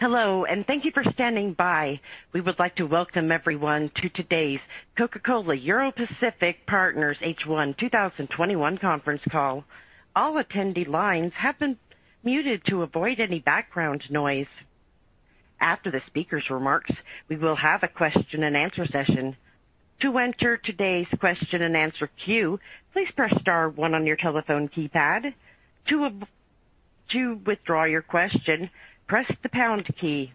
Hello, and thank you for standing by. We would like to welcome everyone to today's Coca-Cola EuroPacific Partners H1 2021 conference call. All attendee lines have been muted to avoid any background noise. After the speaker's remarks, we will have a question-and-answer session. To enter today's question-and-answer queue, please press star one on your telephone keypad. To withdraw your question, press the pound key.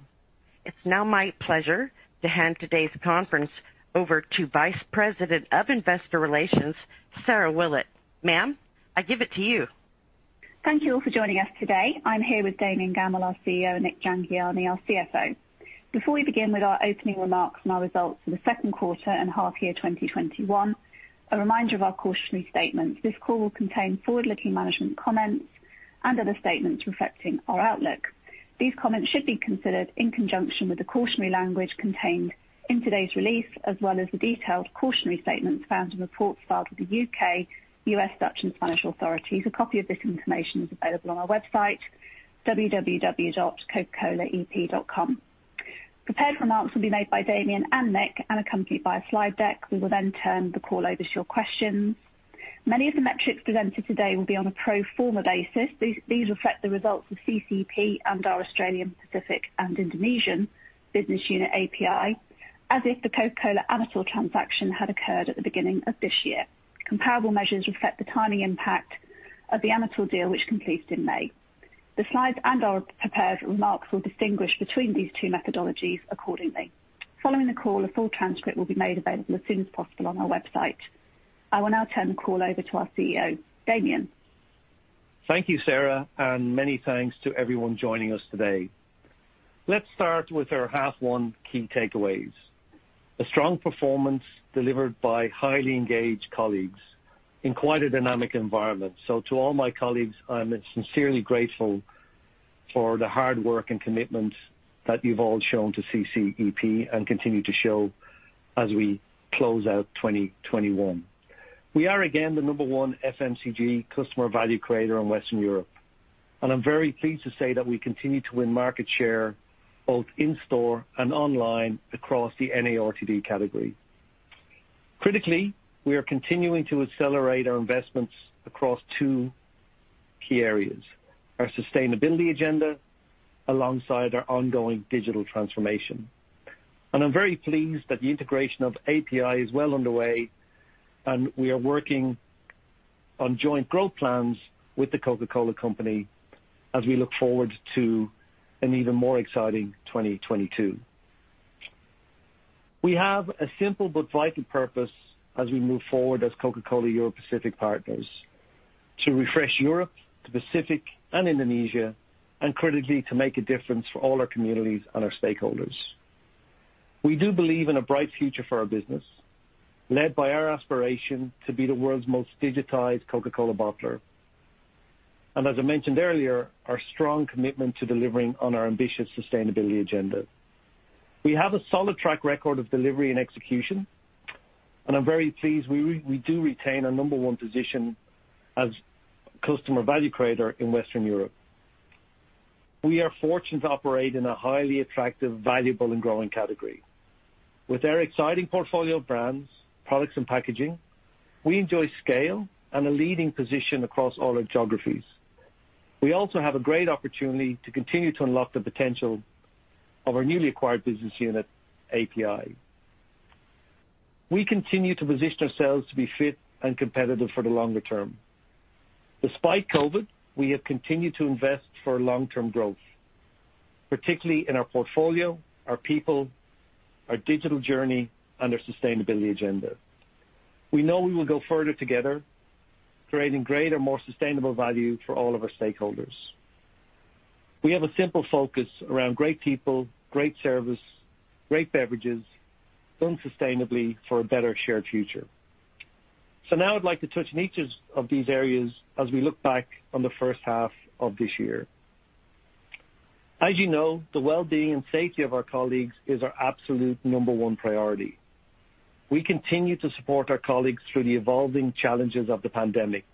It's now my pleasure to hand today's conference over to Vice President of Investor Relations, Sarah Willett. Ma'am, I give it to you. Thank you all for joining us today. I'm here with Damian Gammell, our CEO, and Nik Jhangiani, our CFO. Before we begin with our opening remarks and our results for the second quarter and half year 2021, a reminder of our cautionary statement. This call will contain forward-looking management comments and other statements reflecting our outlook. These comments should be considered in conjunction with the cautionary language contained in today's release, as well as the detailed cautionary statements found in reports filed with the UK, US, Dutch, and Spanish authorities. A copy of this information is available on our website, www.ccep.com. Prepared remarks will be made by Damian and Nik and accompanied by a slide deck. We will then turn the call over to your questions. Many of the metrics presented today will be on a pro forma basis. These reflect the results of CCEP and our Australian, Pacific, and Indonesia Business Unit, API, as if the Coca-Cola Amatil transaction had occurred at the beginning of this year. Comparable measures reflect the timing impact of the Amatil deal, which completed in May. The slides and our prepared remarks will distinguish between these two methodologies accordingly. Following the call, a full transcript will be made available as soon as possible on our website. I will now turn the call over to our CEO, Damian. Thank you, Sarah, and many thanks to everyone joining us today. Let's start with our half one key takeaways. A strong performance delivered by highly engaged colleagues in quite a dynamic environment, so to all my colleagues, I'm sincerely grateful for the hard work and commitment that you've all shown to CCEP, and continue to show as we close out 2021. We are again the number one FMCG customer value creator in Western Europe, and I'm very pleased to say that we continue to win market share both in-store and online across the NARTD category. Critically, we are continuing to accelerate our investments across two key areas, our sustainability agenda, alongside our ongoing digital transformation, and I'm very pleased that the integration of API is well underway, and we are working on joint growth plans with the Coca-Cola Company as we look forward to an even more exciting 2022. We have a simple but vital purpose as we move forward as Coca-Cola EuroPacific Partners, to refresh Europe, the Pacific, and Indonesia, and critically, to make a difference for all our communities and our stakeholders. We do believe in a bright future for our business, led by our aspiration to be the world's most digitized Coca-Cola bottler, and as I mentioned earlier, our strong commitment to delivering on our ambitious sustainability agenda. We have a solid track record of delivery and execution, and I'm very pleased we do retain our number one position as customer value creator in Western Europe. We are fortunate to operate in a highly attractive, valuable, and growing category. With our exciting portfolio of brands, products, and packaging, we enjoy scale and a leading position across all our geographies. We also have a great opportunity to continue to unlock the potential of our newly acquired business unit, API. We continue to position ourselves to be fit and competitive for the longer term. Despite COVID, we have continued to invest for long-term growth, particularly in our portfolio, our people, our digital journey, and our sustainability agenda. We know we will go further together, creating greater, more sustainable value for all of our stakeholders. We have a simple focus around great people, great service, great beverages, done sustainably for a better shared future. So now I'd like to touch on each of these areas as we look back on the first half of this year. As you know, the well-being and safety of our colleagues is our absolute number one priority. We continue to support our colleagues through the evolving challenges of the pandemic,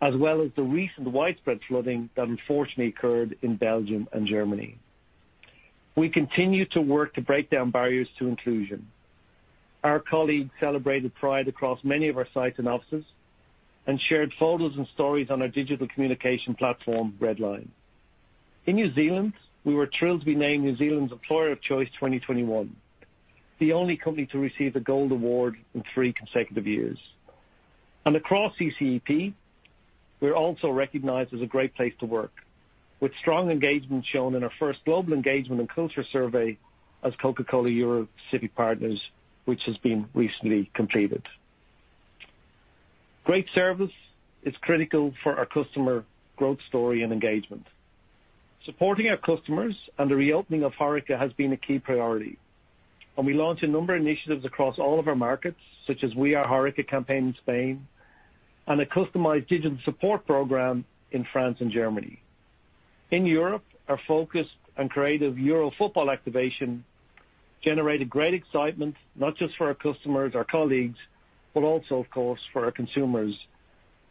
as well as the recent widespread flooding that unfortunately occurred in Belgium and Germany. We continue to work to break down barriers to inclusion. Our colleagues celebrated Pride across many of our sites and offices and shared photos and stories on our digital communication platform, Redline. In New Zealand, we were thrilled to be named New Zealand's Employer of Choice 2021, the only company to receive a Gold Award in three consecutive years. And across CCEP, we're also recognized as a great place to work, with strong engagement shown in our first global engagement and culture survey as Coca-Cola EuroPacific Partners, which has been recently completed. Great service is critical for our customer growth story and engagement. Supporting our customers and the reopening of HoReCa has been a key priority, and we launched a number of initiatives across all of our markets, such as We Are HoReCa campaign in Spain and a customized digital support program in France and Germany. In Europe, our focused and creative Euro football activation generated great excitement, not just for our customers, our colleagues, but also, of course, for our consumers,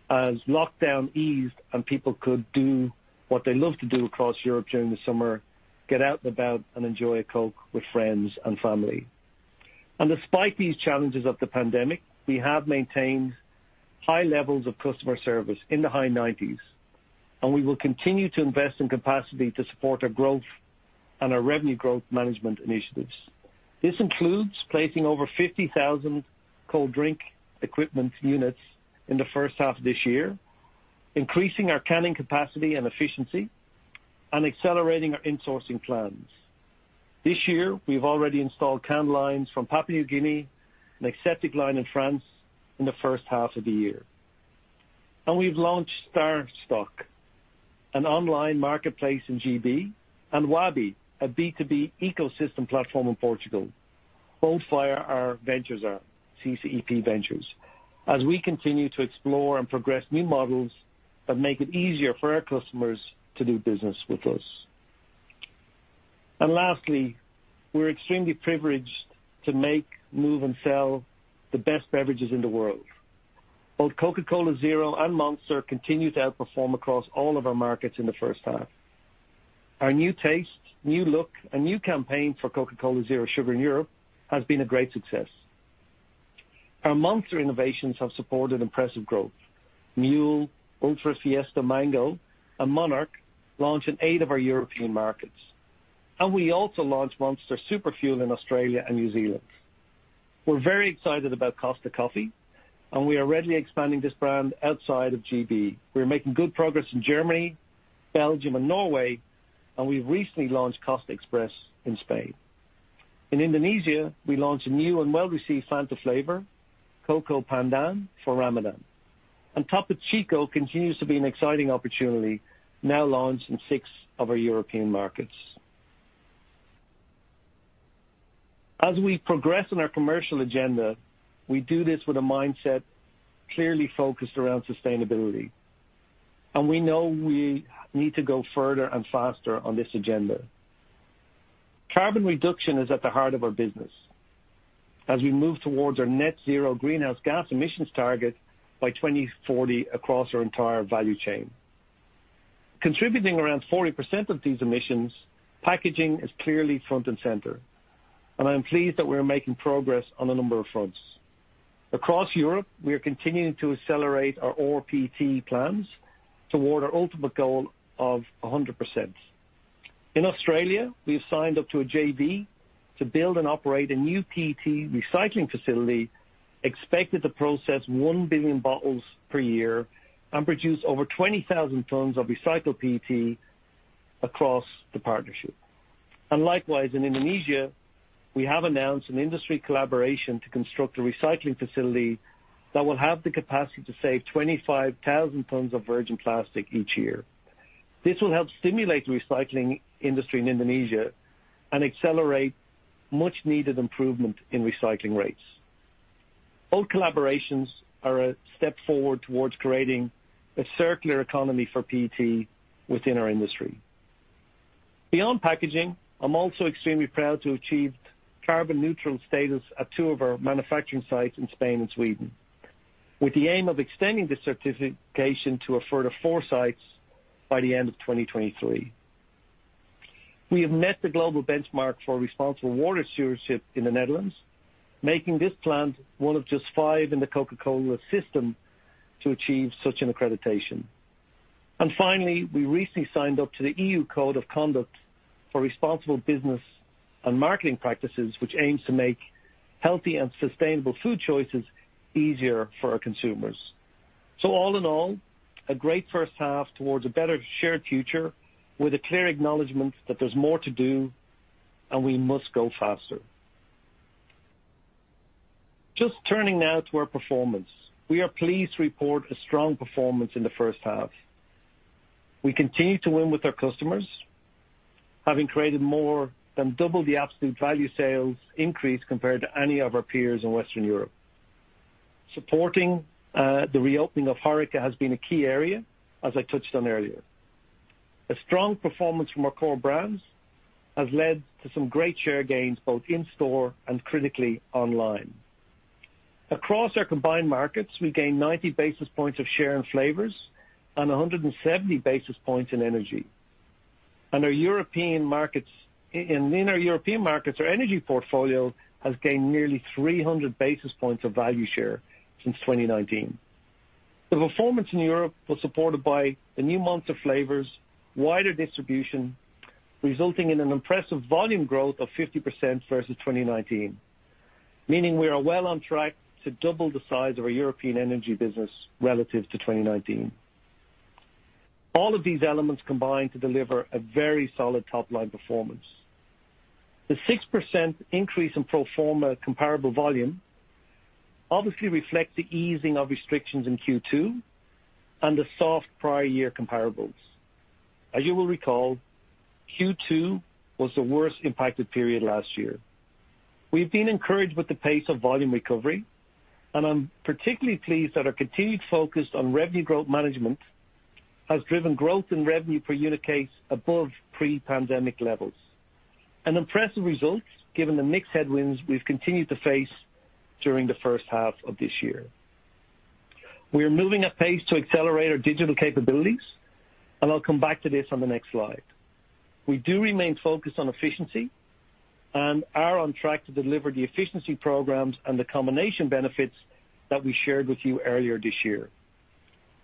as lockdown eased and people could do what they love to do across Europe during the summer, get out and about, and enjoy a Coke with friends and family. And despite these challenges of the pandemic, we have maintained high levels of customer service in the high 90s, and we will continue to invest in capacity to support our growth and our revenue growth management initiatives. This includes placing over 50,000 cold drink equipment units in the first half of this year, increasing our canning capacity and efficiency, and accelerating our insourcing plans. This year, we've already installed can lines from Papua New Guinea, an aseptic line in France in the first half of the year. And we've launched StarStock, an online marketplace in GB, and Wabi, a B2B ecosystem platform in Portugal. Both via our ventures, our CCEP Ventures. As we continue to explore and progress new models that make it easier for our customers to do business with us. And lastly, we're extremely privileged to make, move, and sell the best beverages in the world. Both Coca-Cola Zero and Monster continue to outperform across all of our markets in the first half. Our new taste, new look, and new campaign for Coca-Cola Zero Sugar in Europe has been a great success. Our Monster innovations have supported impressive growth. Mule, Ultra Fiesta Mango, and Monarch launched in eight of our European markets, and we also launched Monster Super Fuel in Australia and New Zealand. We're very excited about Costa Coffee, and we are readily expanding this brand outside of GB. We are making good progress in Germany, Belgium, and Norway, and we recently launched Costa Express in Spain. In Indonesia, we launched a new and well-received Fanta flavor, Coco Pandan, for Ramadan. And Topo Chico continues to be an exciting opportunity, now launched in six of our European markets. As we progress on our commercial agenda, we do this with a mindset clearly focused around sustainability, and we know we need to go further and faster on this agenda. Carbon reduction is at the heart of our business as we move towards our Net Zero greenhouse gas emissions target by 2040 across our entire value chain. Contributing around 40% of these emissions, packaging is clearly front and center, and I'm pleased that we are making progress on a number of fronts. Across Europe, we are continuing to accelerate our rPET plans toward our ultimate goal of 100%. In Australia, we have signed up to a JV to build and operate a new PET recycling facility, expected to process 1 billion bottles per year and produce over 20,000 tons of recycled PET across the partnership. And likewise, in Indonesia, we have announced an industry collaboration to construct a recycling facility that will have the capacity to save 25,000 tons of virgin plastic each year. This will help stimulate the recycling industry in Indonesia and accelerate much needed improvement in recycling rates. Both collaborations are a step forward towards creating a circular economy for PET within our industry. Beyond packaging, I'm also extremely proud to achieve carbon neutral status at two of our manufacturing sites in Spain and Sweden, with the aim of extending the certification to a further four sites by the end of 2023. We have met the global benchmark for responsible water stewardship in the Netherlands, making this plant one of just five in the Coca-Cola system to achieve such an accreditation. And finally, we recently signed up to the EU Code of Conduct for Responsible Business and Marketing Practices, which aims to make healthy and sustainable food choices easier for our consumers. So all in all, a great first half towards a better shared future, with a clear acknowledgement that there's more to do and we must go faster. Just turning now to our performance. We are pleased to report a strong performance in the first half. We continue to win with our customers, having created more than double the absolute value sales increase compared to any of our peers in Western Europe. Supporting the reopening of HoReCa has been a key area, as I touched on earlier. A strong performance from our core brands has led to some great share gains, both in store and critically, online. Across our combined markets, we gained 90 basis points of share in flavors and 170 basis points in energy. Our European markets. In our European markets, our energy portfolio has gained nearly 300 basis points of value share since 2019. The performance in Europe was supported by the new Monster flavors, wider distribution, resulting in an impressive volume growth of 50% versus 2019. Meaning we are well on track to double the size of our European energy business relative to 2019. All of these elements combine to deliver a very solid top-line performance. The 6% increase in pro forma comparable volume obviously reflect the easing of restrictions in Q2 and the soft prior year comparables. As you will recall, Q2 was the worst impacted period last year. We've been encouraged with the pace of volume recovery, and I'm particularly pleased that our continued focus on revenue growth management has driven growth in revenue per unit case above pre-pandemic levels. And impressive results, given the mixed headwinds we've continued to face during the first half of this year. We are moving at pace to accelerate our digital capabilities, and I'll come back to this on the next slide. We do remain focused on efficiency and are on track to deliver the efficiency programs and the combination benefits that we shared with you earlier this year.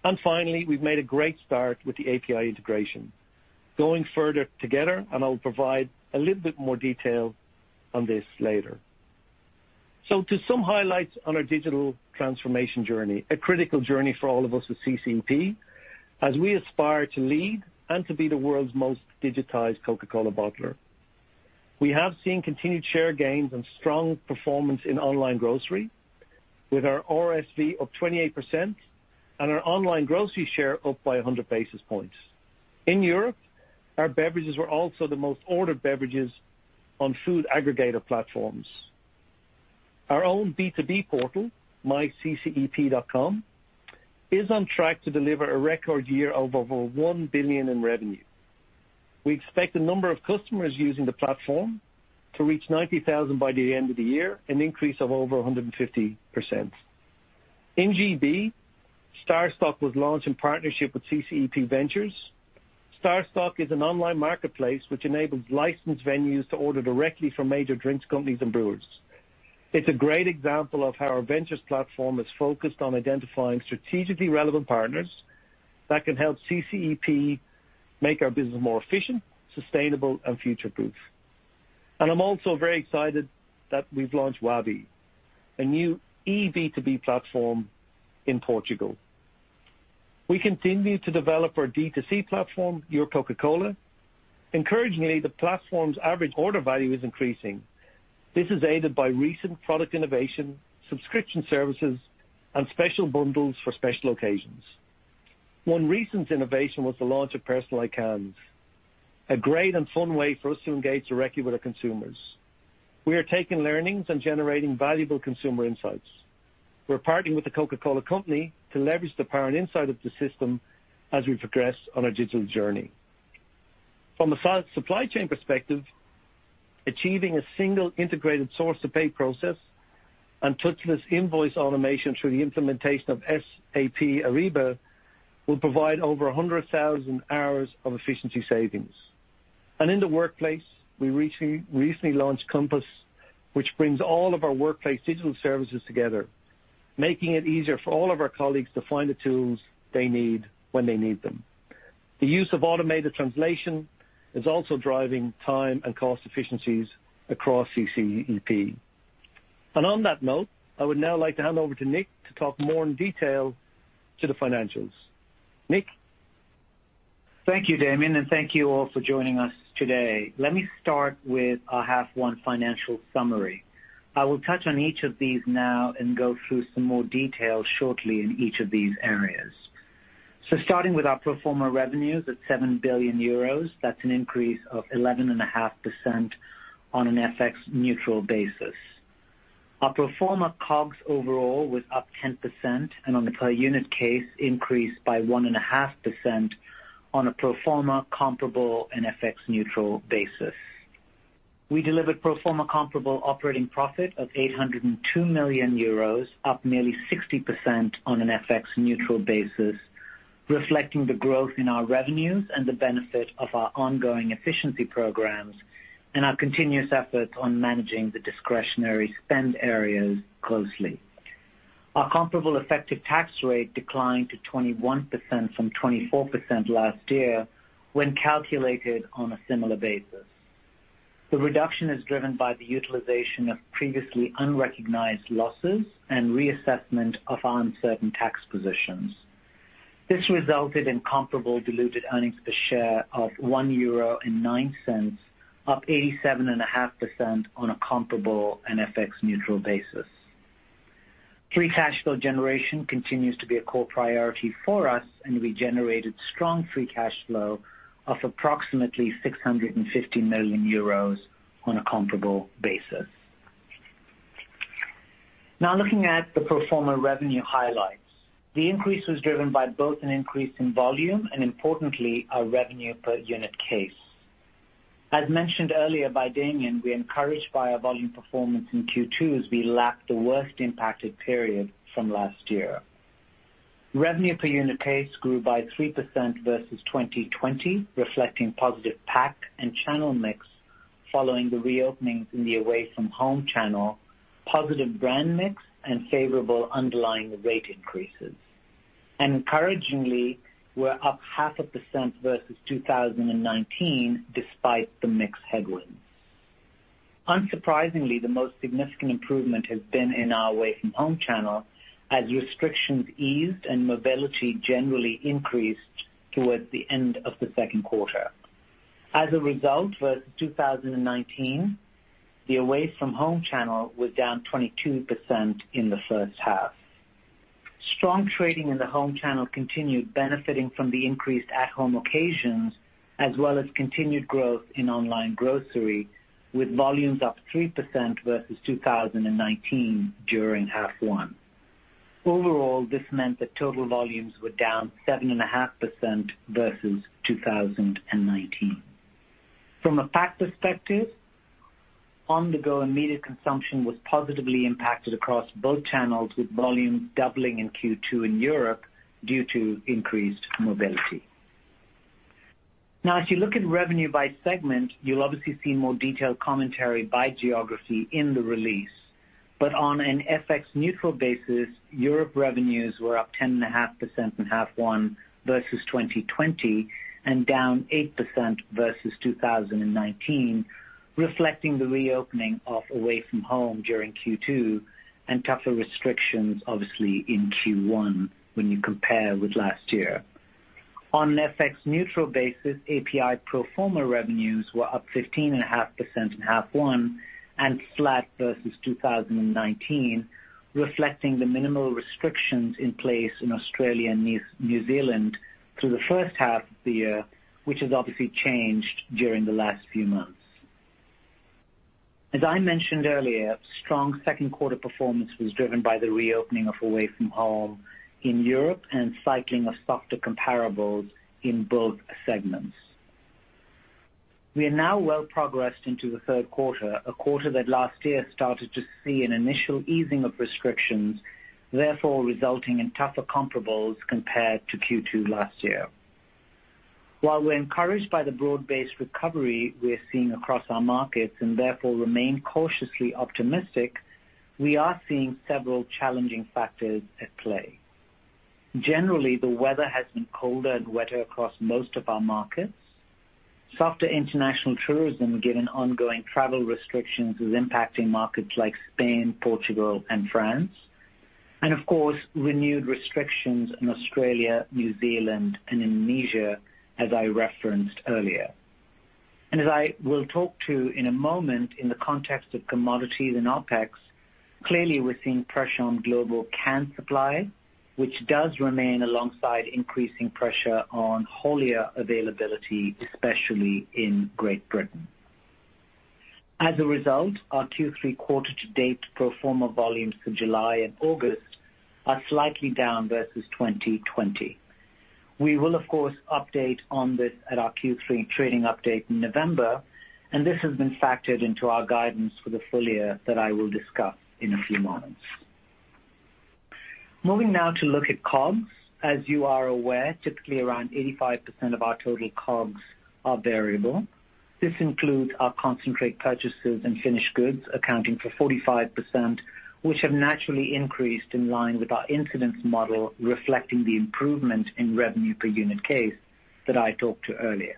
And finally, we've made a great start with the API integration, going further together, and I'll provide a little bit more detail on this later. So to some highlights on our digital transformation journey, a critical journey for all of us at CCEP, as we aspire to lead and to be the world's most digitized Coca-Cola bottler. We have seen continued share gains and strong performance in online grocery, with our RSV up 28% and our online grocery share up by 100 basis points. In Europe, our beverages were also the most ordered beverages on food aggregator platforms. Our own B2B portal, myccep.com, is on track to deliver a record year of over 1 billion in revenue. We expect the number of customers using the platform to reach 90,000 by the end of the year, an increase of over 150%. In GB, StarStock was launched in partnership with CCEP Ventures. StarStock is an online marketplace which enables licensed venues to order directly from major drinks companies and brewers. It's a great example of how our ventures platform is focused on identifying strategically relevant partners that can help CCEP make our business more efficient, sustainable and future-proof. I'm also very excited that we've launched Wabi, a new eB2B platform in Portugal. We continue to develop our D2C platform, Your Coca-Cola. Encouragingly, the platform's average order value is increasing. This is aided by recent product innovation, subscription services, and special bundles for special occasions. One recent innovation was the launch of Personalized Cans, a great and fun way for us to engage directly with our consumers. We are taking learnings and generating valuable consumer insights. We're partnering with the Coca-Cola Company to leverage the power and insight of the system as we progress on our digital journey. From a supply chain perspective, achieving a single integrated source-to-pay process and touchless invoice automation through the implementation of SAP Ariba will provide over 100,000 hours of efficiency savings. In the workplace, we recently launched Compass, which brings all of our workplace digital services together, making it easier for all of our colleagues to find the tools they need when they need them. The use of automated translation is also driving time and cost efficiencies across CCEP. On that note, I would now like to hand over to Nik to talk more in detail to the financials. Nik? Thank you, Damian, and thank you all for joining us today. Let me start with our half one financial summary. I will touch on each of these now and go through some more detail shortly in each of these areas. So starting with our pro forma revenues at 7 billion euros, that's an increase of 11.5% on an FX neutral basis. Our pro forma COGS overall was up 10%, and on a per unit case, increased by 1.5% on a pro forma comparable and FX neutral basis. We delivered pro forma comparable operating profit of 802 million euros, up nearly 60% on an FX neutral basis, reflecting the growth in our revenues and the benefit of our ongoing efficiency programs and our continuous efforts on managing the discretionary spend areas closely. Our comparable effective tax rate declined to 21% from 24% last year when calculated on a similar basis. The reduction is driven by the utilization of previously unrecognized losses and reassessment of our uncertain tax positions. This resulted in comparable diluted earnings per share of 1.09 euro, up 87.5% on a comparable and FX neutral basis. Free cash flow generation continues to be a core priority for us, and we generated strong free cash flow of approximately 650 million euros on a comparable basis. Now, looking at the pro forma revenue highlights, the increase was driven by both an increase in volume and importantly, our revenue per unit case. As mentioned earlier by Damian, we're encouraged by our volume performance in Q2 as we lapped the worst impacted period from last year. Revenue per unit case grew by 3% versus 2020, reflecting positive pack and channel mix following the re-openings in the away from home channel, positive brand mix and favorable underlying rate increases, and encouragingly, we're up 0.5% versus 2019, despite the mixed headwinds. Unsurprisingly, the most significant improvement has been in our away from home channel, as restrictions eased and mobility generally increased towards the end of the second quarter. As a result, versus 2019, the away from home channel was down 22% in the first half. Strong trading in the home channel continued, benefiting from the increased at home occasions, as well as continued growth in online grocery, with volumes up 3% versus 2019 during half one. Overall, this meant that total volumes were down 7.5% versus 2019. From a pack perspective, on-the-go immediate consumption was positively impacted across both channels, with volumes doubling in Q2 in Europe due to increased mobility. Now, if you look at revenue by segment, you'll obviously see more detailed commentary by geography in the release. But on an FX Neutral basis, Europe revenues were up 10.5% in half one versus 2020, and down 8% versus 2019, reflecting the reopening of away from home during Q2 and tougher restrictions obviously in Q1 when you compare with last year. On an FX Neutral basis, API pro forma revenues were up 15.5% in half one and flat versus 2019, reflecting the minimal restrictions in place in Australia and New Zealand through the first half of the year, which has obviously changed during the last few months. As I mentioned earlier, strong second quarter performance was driven by the reopening of away from home in Europe and cycling of softer comparables in both segments. We are now well progressed into the third quarter, a quarter that last year started to see an initial easing of restrictions, therefore resulting in tougher comparables compared to Q2 last year. While we're encouraged by the broad-based recovery we're seeing across our markets and therefore remain cautiously optimistic, we are seeing several challenging factors at play. Generally, the weather has been colder and wetter across most of our markets. Softer international tourism, given ongoing travel restrictions, is impacting markets like Spain, Portugal, and France, and of course, renewed restrictions in Australia, New Zealand, and Indonesia, as I referenced earlier. As I will talk to in a moment in the context of commodities and OpEx, clearly we're seeing pressure on global can supply, which does remain alongside increasing pressure on cooler availability, especially in Great Britain. As a result, our Q3 quarter to date pro forma volumes for July and August are slightly down versus 2020. We will, of course, update on this at our Q3 trading update in November, and this has been factored into our guidance for the full year that I will discuss in a few moments. Moving now to look at COGS. As you are aware, typically around 85% of our total COGS are variable. This includes our concentrate purchases and finished goods, accounting for 45%, which have naturally increased in line with our incidence model, reflecting the improvement in revenue per unit case that I talked to earlier.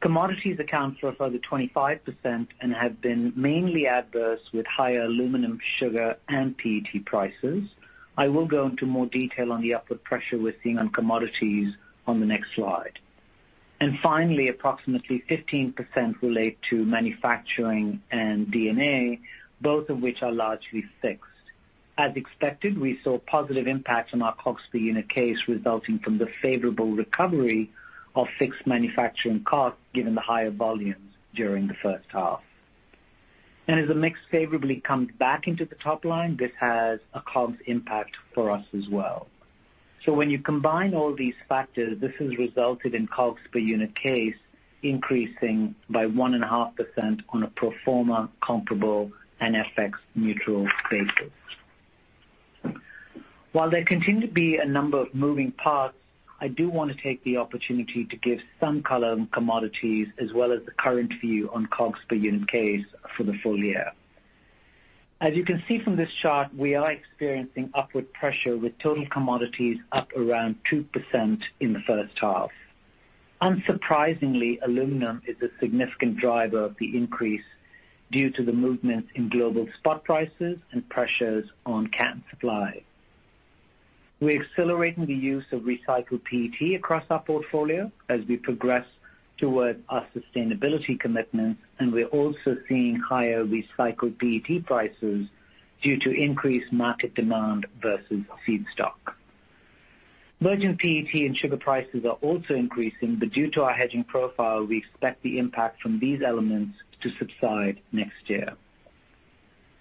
Commodities account for further 25% and have been mainly adverse, with higher aluminum, sugar, and PET prices. I will go into more detail on the upward pressure we're seeing on commodities on the next slide. And finally, approximately 15% relate to manufacturing and D&A, both of which are largely fixed. As expected, we saw positive impacts on our COGS per unit case, resulting from the favorable recovery of fixed manufacturing costs, given the higher volumes during the first half. And as the mix favorably comes back into the top line, this has a COGS impact for us as well. So when you combine all these factors, this has resulted in COGS per unit case increasing by 1.5% on a pro forma comparable and FX neutral basis. While there continue to be a number of moving parts, I do want to take the opportunity to give some color on commodities as well as the current view on COGS per unit case for the full year. As you can see from this chart, we are experiencing upward pressure, with total commodities up around 2% in the first half. Unsurprisingly, aluminum is a significant driver of the increase due to the movement in global spot prices and pressures on can supply. We're accelerating the use of recycled PET across our portfolio as we progress towards our sustainability commitments, and we're also seeing higher recycled PET prices due to increased market demand versus feedstock. Virgin PET and sugar prices are also increasing, but due to our hedging profile, we expect the impact from these elements to subside next year.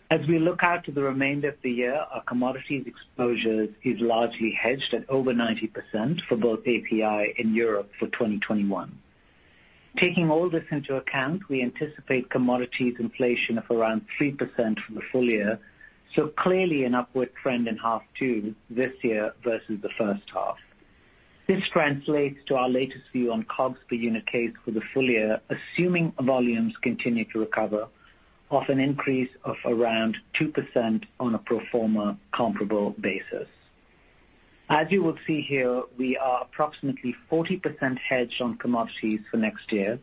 As we look out to the remainder of the year, our commodities exposure is largely hedged at over 90% for both API and Europe for 2021. Taking all this into account, we anticipate commodities inflation of around 3% for the full year, so clearly an upward trend in half two this year versus the first half. This translates to our latest view on COGS per unit case for the full year, assuming volumes continue to recover of an increase of around 2% on a pro forma comparable basis. As you will see here, we are approximately 40% hedged on commodities for next year,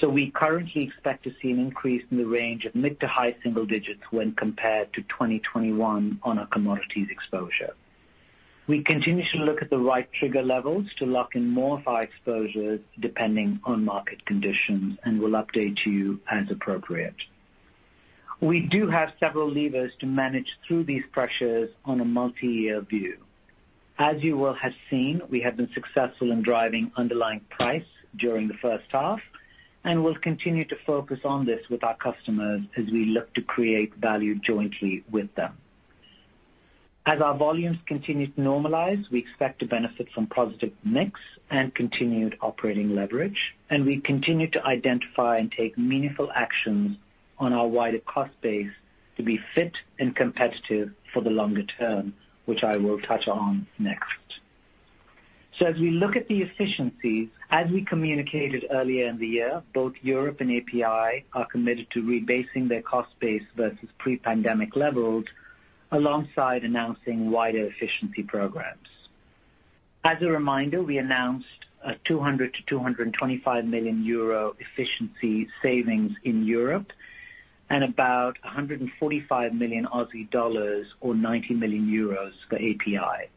so we currently expect to see an increase in the range of mid- to high-single digits when compared to 2021 on our commodities exposure. We continue to look at the right trigger levels to lock in more of our exposures, depending on market conditions, and will update you as appropriate. We do have several levers to manage through these pressures on a multi-year view.... As you will have seen, we have been successful in driving underlying price during the first half, and we'll continue to focus on this with our customers as we look to create value jointly with them. As our volumes continue to normalize, we expect to benefit from positive mix and continued operating leverage, and we continue to identify and take meaningful actions on our wider cost base to be fit and competitive for the longer term, which I will touch on next. As we look at the efficiencies, as we communicated earlier in the year, both Europe and API are committed to rebasing their cost base versus pre-pandemic levels, alongside announcing wider efficiency programs. As a reminder, we announced 200-225 million euro efficiency savings in Europe and about 145 million Aussie dollars, or 90 million euros, for API.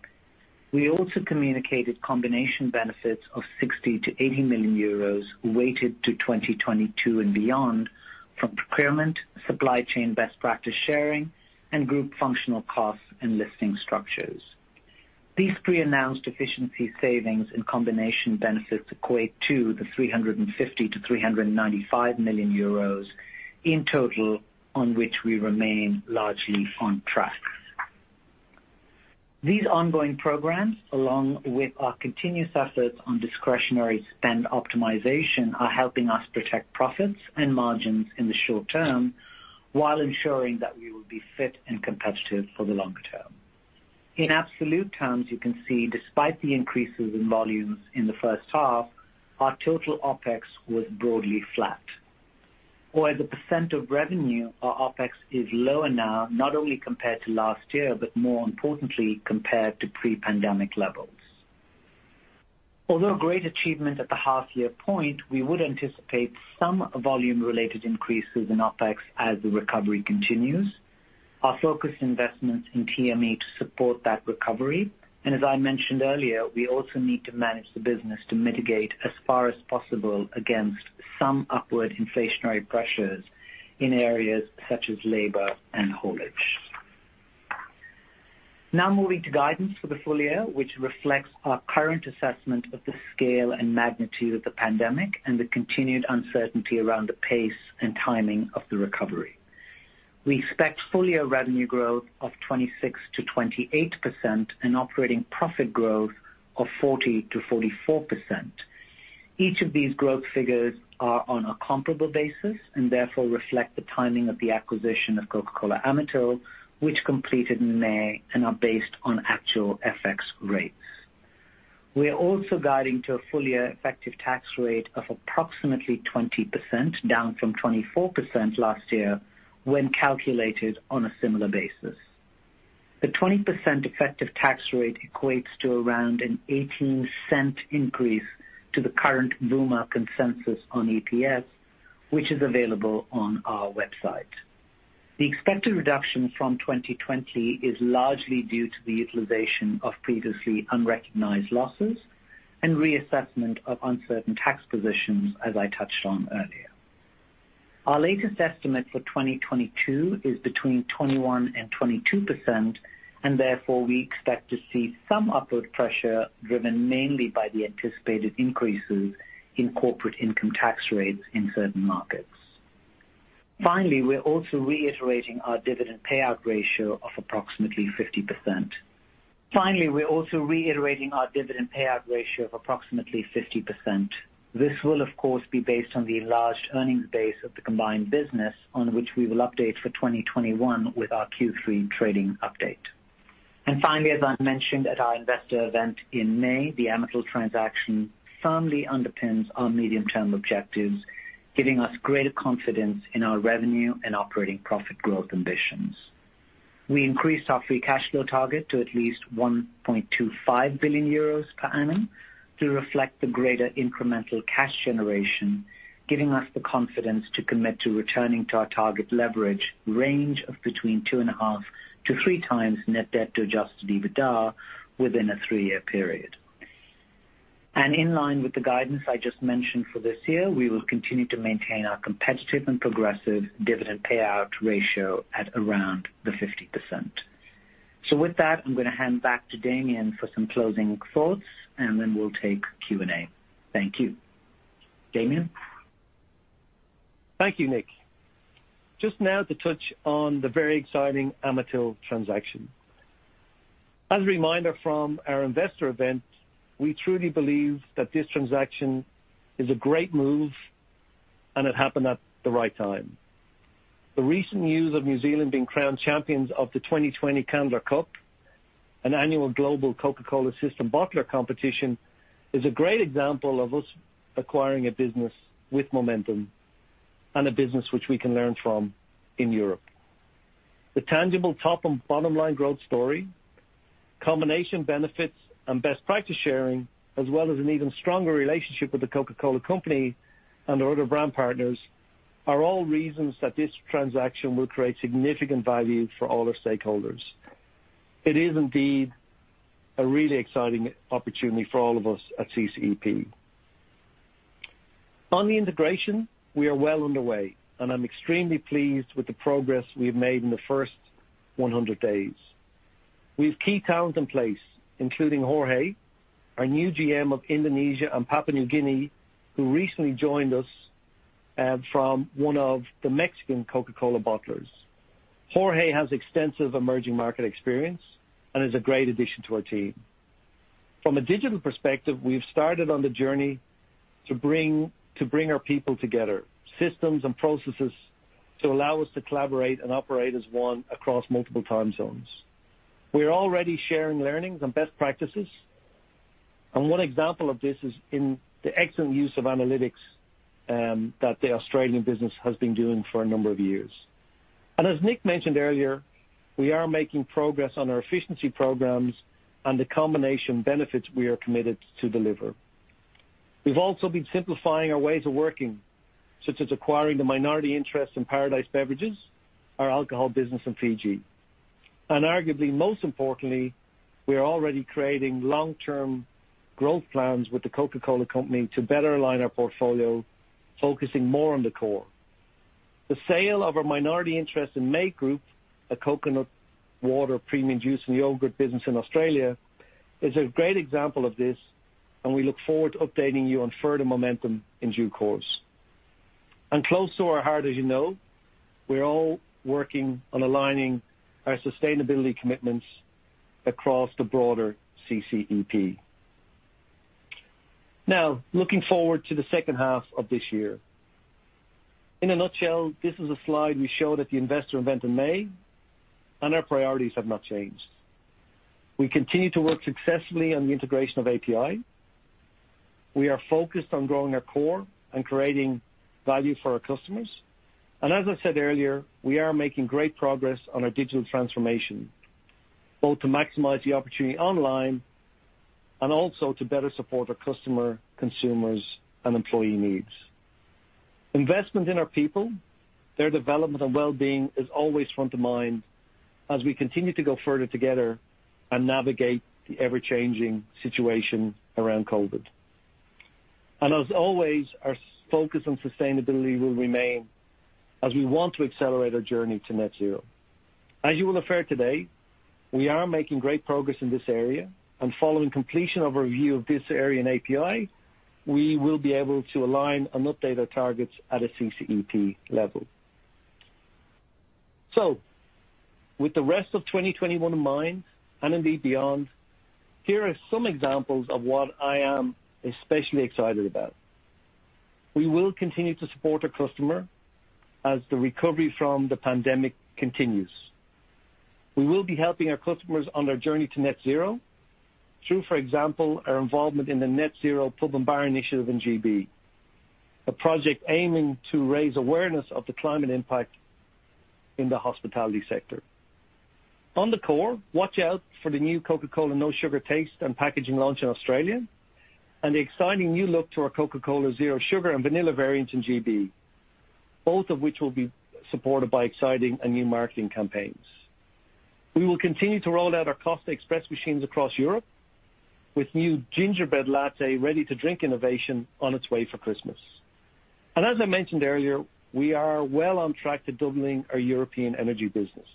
We also communicated combination benefits of 60 million-80 million euros, weighted to 2022 and beyond, from procurement, supply chain best practice sharing, and group functional costs and listing structures. These pre-announced efficiency savings and combination benefits equate to 350-395 million euros in total, on which we remain largely on track. These ongoing programs, along with our continuous efforts on discretionary spend optimization, are helping us protect profits and margins in the short term, while ensuring that we will be fit and competitive for the longer term. In absolute terms, you can see, despite the increases in volumes in the first half, our total OpEx was broadly flat. Or as a percent of revenue, our OpEx is lower now, not only compared to last year, but more importantly, compared to pre-pandemic levels. Although a great achievement at the half year point, we would anticipate some volume-related increases in OpEx as the recovery continues. Our focused investments in DME to support that recovery, and as I mentioned earlier, we also need to manage the business to mitigate as far as possible against some upward inflationary pressures in areas such as labor and haulage. Now moving to guidance for the full year, which reflects our current assessment of the scale and magnitude of the pandemic and the continued uncertainty around the pace and timing of the recovery. We expect full year revenue growth of 26-28% and operating profit growth of 40-44%. Each of these growth figures are on a comparable basis and therefore reflect the timing of the acquisition of Coca-Cola Amatil, which completed in May and are based on actual FX rates. We are also guiding to a full year effective tax rate of approximately 20%, down from 24% last year, when calculated on a similar basis. The 20% effective tax rate equates to around a 0.18 increase to the current Luma consensus on EPS, which is available on our website. The expected reduction from 2020 is largely due to the utilization of previously unrecognized losses and reassessment of uncertain tax positions, as I touched on earlier. Our latest estimate for 2022 is between 21% and 22%, and therefore we expect to see some upward pressure, driven mainly by the anticipated increases in corporate income tax rates in certain markets. Finally, we're also reiterating our dividend payout ratio of approximately 50%. This will, of course, be based on the enlarged earnings base of the combined business, on which we will update for 2021 with our Q3 trading update. Finally, as I mentioned at our investor event in May, the Amatil transaction firmly underpins our medium-term objectives, giving us greater confidence in our revenue and operating profit growth ambitions. We increased our free cash flow target to at least 1.25 billion euros per annum to reflect the greater incremental cash generation, giving us the confidence to commit to returning to our target leverage range of between 2.5-3x net debt to adjusted EBITDA within a 3-year period. And in line with the guidance I just mentioned for this year, we will continue to maintain our competitive and progressive dividend payout ratio at around the 50%. So with that, I'm going to hand back to Damian for some closing thoughts, and then we'll take Q&A. Thank you. Damian? Thank you, Nik. Just now to touch on the very exciting Amatil transaction. As a reminder from our investor event, we truly believe that this transaction is a great move, and it happened at the right time. The recent news of New Zealand being crowned champions of the 2020 Candler Cup, an annual global Coca-Cola system bottler competition, is a great example of us acquiring a business with momentum and a business which we can learn from in Europe. The tangible top and bottom line growth story, combination benefits and best practice sharing, as well as an even stronger relationship with The Coca-Cola Company and our other brand partners, are all reasons that this transaction will create significant value for all our stakeholders. It is indeed a really exciting opportunity for all of us at CCEP. On the integration, we are well underway, and I'm extremely pleased with the progress we have made in the first 100 days. We have key talents in place, including Jorge, our new GM of Indonesia and Papua New Guinea, who recently joined us from one of the Mexican Coca-Cola bottlers. Jorge has extensive emerging market experience and is a great addition to our team. From a digital perspective, we've started on the journey to bring our people together, systems and processes to allow us to collaborate and operate as one across multiple time zones. We are already sharing learnings and best practices, and one example of this is in the excellent use of analytics that the Australian business has been doing for a number of years. And as Nik mentioned earlier, we are making progress on our efficiency programs and the combination benefits we are committed to deliver. We've also been simplifying our ways of working, such as acquiring the minority interest in Paradise Beverages, our alcohol business in Fiji. And arguably, most importantly, we are already creating long-term growth plans with The Coca-Cola Company to better align our portfolio, focusing more on the core. The sale of our minority interest in Made Group, a coconut water, premium juice, and yogurt business in Australia, is a great example of this, and we look forward to updating you on further momentum in due course. And close to our heart, as you know, we're all working on aligning our sustainability commitments across the broader CCEP. Now, looking forward to the second half of this year. In a nutshell, this is a slide we showed at the investor event in May, and our priorities have not changed. We continue to work successfully on the integration of API. We are focused on growing our core and creating value for our customers. And as I said earlier, we are making great progress on our digital transformation, both to maximize the opportunity online and also to better support our customer, consumers, and employee needs. Investment in our people, their development, and well-being is always front of mind as we continue to go further together and navigate the ever-changing situation around COVID. And as always, our focus on sustainability will remain as we want to accelerate our journey to net zero. As you will have heard today, we are making great progress in this area, and following completion of a review of this area in API, we will be able to align and update our targets at a CCEP level. So with the rest of 2021 in mind, and indeed beyond, here are some examples of what I am especially excited about. We will continue to support our customer as the recovery from the pandemic continues. We will be helping our customers on their journey to Net Zero through, for example, our involvement in the Net Zero Pub and Bar Initiative in GB, a project aiming to raise awareness of the climate impact in the hospitality sector. On the core, watch out for the new Coca-Cola No Sugar taste and packaging launch in Australia and the exciting new look to our Coca-Cola Zero Sugar and vanilla variants in GB, both of which will be supported by exciting and new marketing campaigns. We will continue to roll out our Costa Express machines across Europe, with new Gingerbread Latte ready-to-drink innovation on its way for Christmas. As I mentioned earlier, we are well on track to doubling our European energy business.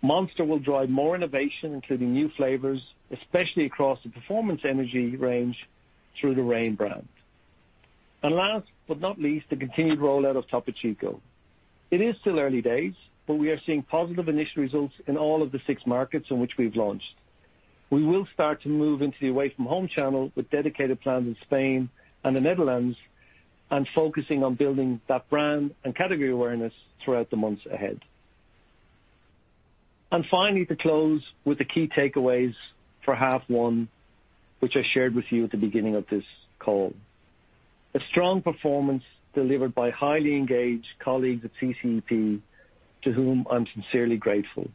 Monster will drive more innovation, including new flavors, especially across the performance energy range through the Reign brand. Last but not least, the continued rollout of Topo Chico. It is still early days, but we are seeing positive initial results in all of the six markets in which we've launched. We will start to move into the away-from-home channel with dedicated plans in Spain and the Netherlands, and focusing on building that brand and category awareness throughout the months ahead. Finally, to close with the key takeaways for half one, which I shared with you at the beginning of this call. A strong performance delivered by highly engaged colleagues at CCEP, to whom I'm sincerely grateful.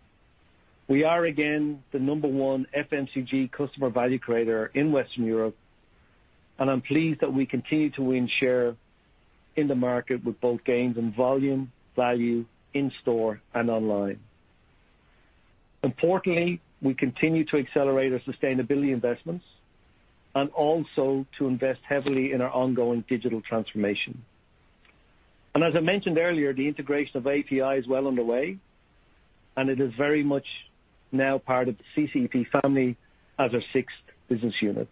We are, again, the number one FMCG customer value creator in Western Europe, and I'm pleased that we continue to win share in the market with both gains in volume, value, in store, and online. Importantly, we continue to accelerate our sustainability investments and also to invest heavily in our ongoing digital transformation. As I mentioned earlier, the integration of API is well underway, and it is very much now part of the CCEP family as our sixth business unit.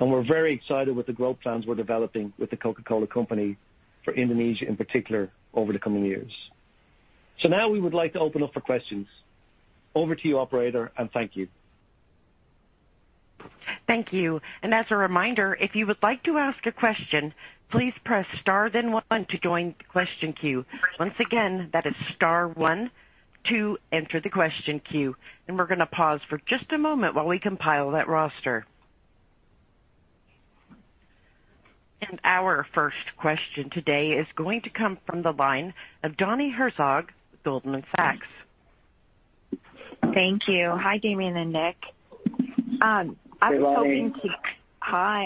We're very excited with the growth plans we're developing with the Coca-Cola Company for Indonesia, in particular, over the coming years. Now we would like to open up for questions. Over to you, operator, and thank you. Thank you. As a reminder, if you would like to ask a question, please press star, then one to join the question queue. Once again, that is star one to enter the question queue. We're going to pause for just a moment while we compile that roster. Our first question today is going to come from the line of Bonnie Herzog, Goldman Sachs. Thank you. Hi, Damian and Nik. Hey, Bonnie. Hi.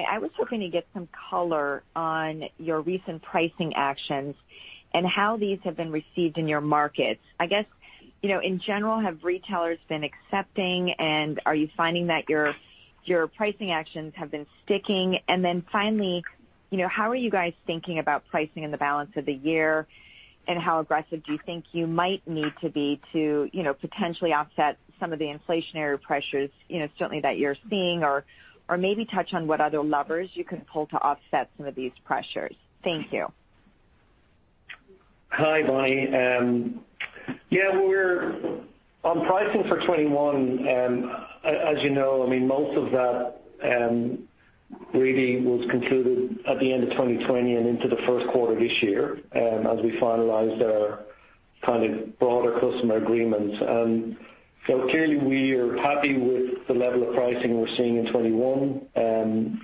I was hoping to get some color on your recent pricing actions and how these have been received in your markets. I guess, you know, in general, have retailers been accepting, and are you finding that your pricing actions have been sticking? And then finally, you know, how are you guys thinking about pricing in the balance of the year, and how aggressive do you think you might need to be to, you know, potentially offset some of the inflationary pressures, you know, certainly that you're seeing? Or maybe touch on what other levers you can pull to offset some of these pressures. Thank you. Hi, Bonnie. Yeah, we're on pricing for 2021, as you know, I mean, most of that really was concluded at the end of 2020 and into the first quarter this year, as we finalized our kind of broader customer agreements. So clearly, we are happy with the level of pricing we're seeing in 2021.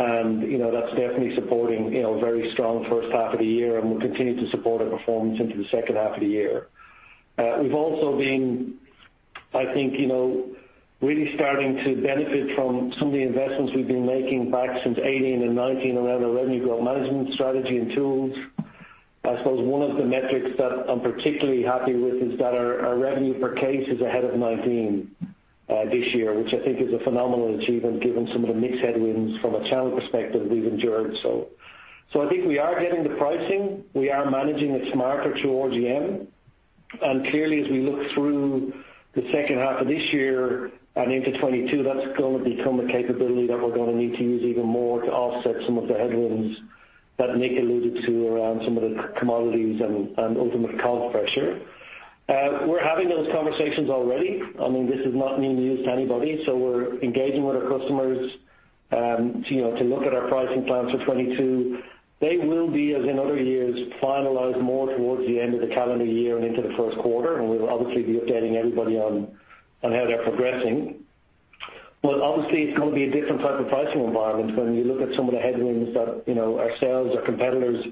And, you know, that's definitely supporting, you know, a very strong first half of the year, and we'll continue to support our performance into the second half of the year. We've also been, I think, you know, really starting to benefit from some of the investments we've been making back since 2018 and 2019 around our Revenue Growth Management strategy and tools. I suppose one of the metrics that I'm particularly happy with is that our revenue per case is ahead of nineteen this year, which I think is a phenomenal achievement, given some of the mixed headwinds from a channel perspective we've endured. So I think we are getting the pricing. We are managing it smarter through RGM. And clearly, as we look through the second half of this year and into 2022, that's going to become a capability that we're going to need to use even more to offset some of the headwinds that Nik alluded to around some of the commodities and ultimate cost pressure. We're having those conversations already. I mean, this is not new news to anybody, so we're engaging with our customers to you know, to look at our pricing plans for 2022. They will be, as in other years, finalized more towards the end of the calendar year and into the first quarter, and we will obviously be updating everybody on how they're progressing. But obviously, it's going to be a different type of pricing environment when you look at some of the headwinds that, you know, ourselves, our competitors.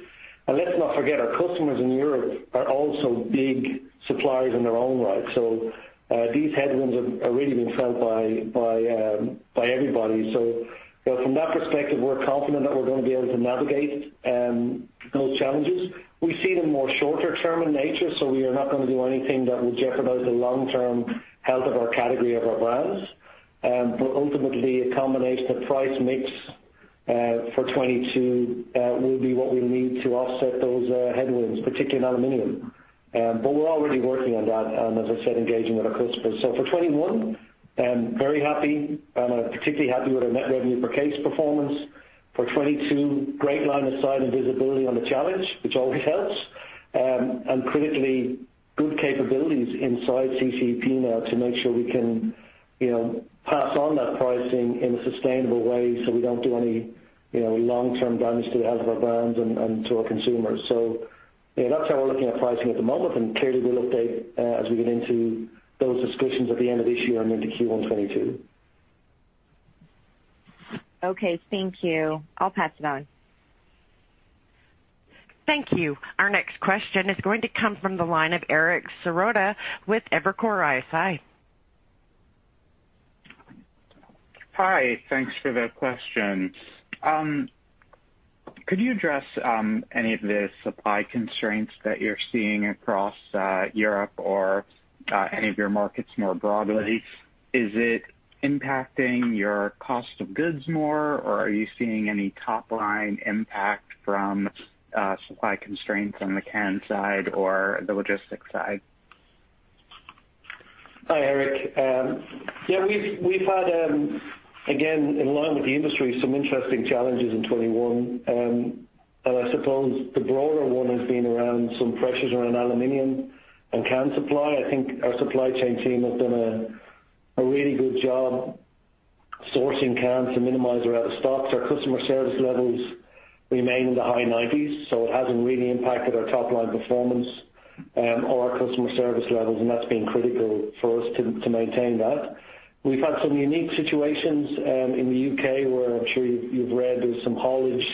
And let's not forget, our customers in Europe are also big suppliers in their own right. So, these headwinds are really being felt by everybody. So from that perspective, we're confident that we're going to be able to navigate those challenges. We see them more shorter term in nature, so we are not going to do anything that will jeopardize the long-term health of our category of our brands. But ultimately, a combination of price mix for 2022 will be what we need to offset those headwinds, particularly in aluminum. But we're already working on that, as I said, engaging with our customers. So for 2021, I'm very happy, and I'm particularly happy with our net revenue per case performance. For 2022, great line of sight and visibility on the challenge, which always helps, and critically, good capabilities inside CCEP now to make sure we can, you know, pass on that pricing in a sustainable way so we don't do any, you know, long-term damage to the health of our brands and to our consumers. So, yeah, that's how we're looking at pricing at the moment, and clearly, we'll update as we get into those discussions at the end of this year and into Q1 2022. Okay, thank you. I'll pass it on. Thank you. Our next question is going to come from the line of Eric Serotta with Evercore ISI. Hi, thanks for the question. Could you address any of the supply constraints that you're seeing across Europe or any of your markets more broadly? Is it impacting your cost of goods more, or are you seeing any top line impact from supply constraints on the can side or the logistics side? Hi, Eric. Yeah, we've had, again, in line with the industry, some interesting challenges in 2021, and I suppose the broader one has been around some pressures around aluminum and can supply. I think our supply chain team have done a really good job sourcing cans to minimize our out-of-stocks. Our customer service levels remain in the high nineties, so it hasn't really impacted our top-line performance, or our customer service levels, and that's been critical for us to maintain that. We've had some unique situations, in the UK, where I'm sure you've read there's some haulage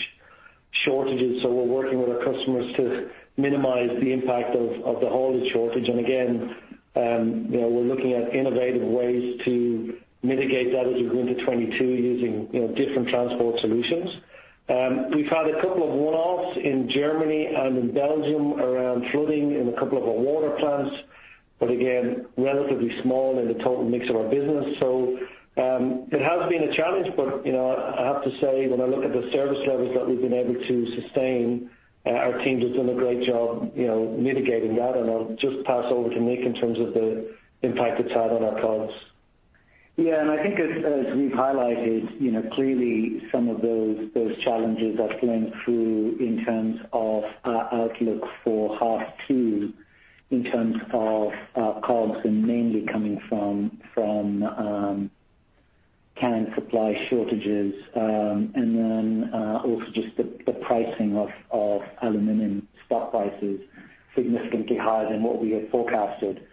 shortages, so we're working with our customers to minimize the impact of the haulage shortage. And again, you know, we're looking at innovative ways to mitigate that as we go into 2022, using, you know, different transport solutions. We've had a couple of one-offs in Germany and in Belgium around flooding in a couple of our water plants, but again, relatively small in the total mix of our business. So, it has been a challenge, but, you know, I have to say, when I look at the service levels that we've been able to sustain, our team has done a great job, you know, mitigating that. And I'll just pass over to Nik in terms of the impact it's had on our costs. Yeah, and I think as we've highlighted, you know, clearly some of those challenges that went through in terms of our outlook for half two, in terms of our costs and mainly coming from can supply shortages, and then also just the pricing of aluminum stock prices significantly higher than what we had forecasted.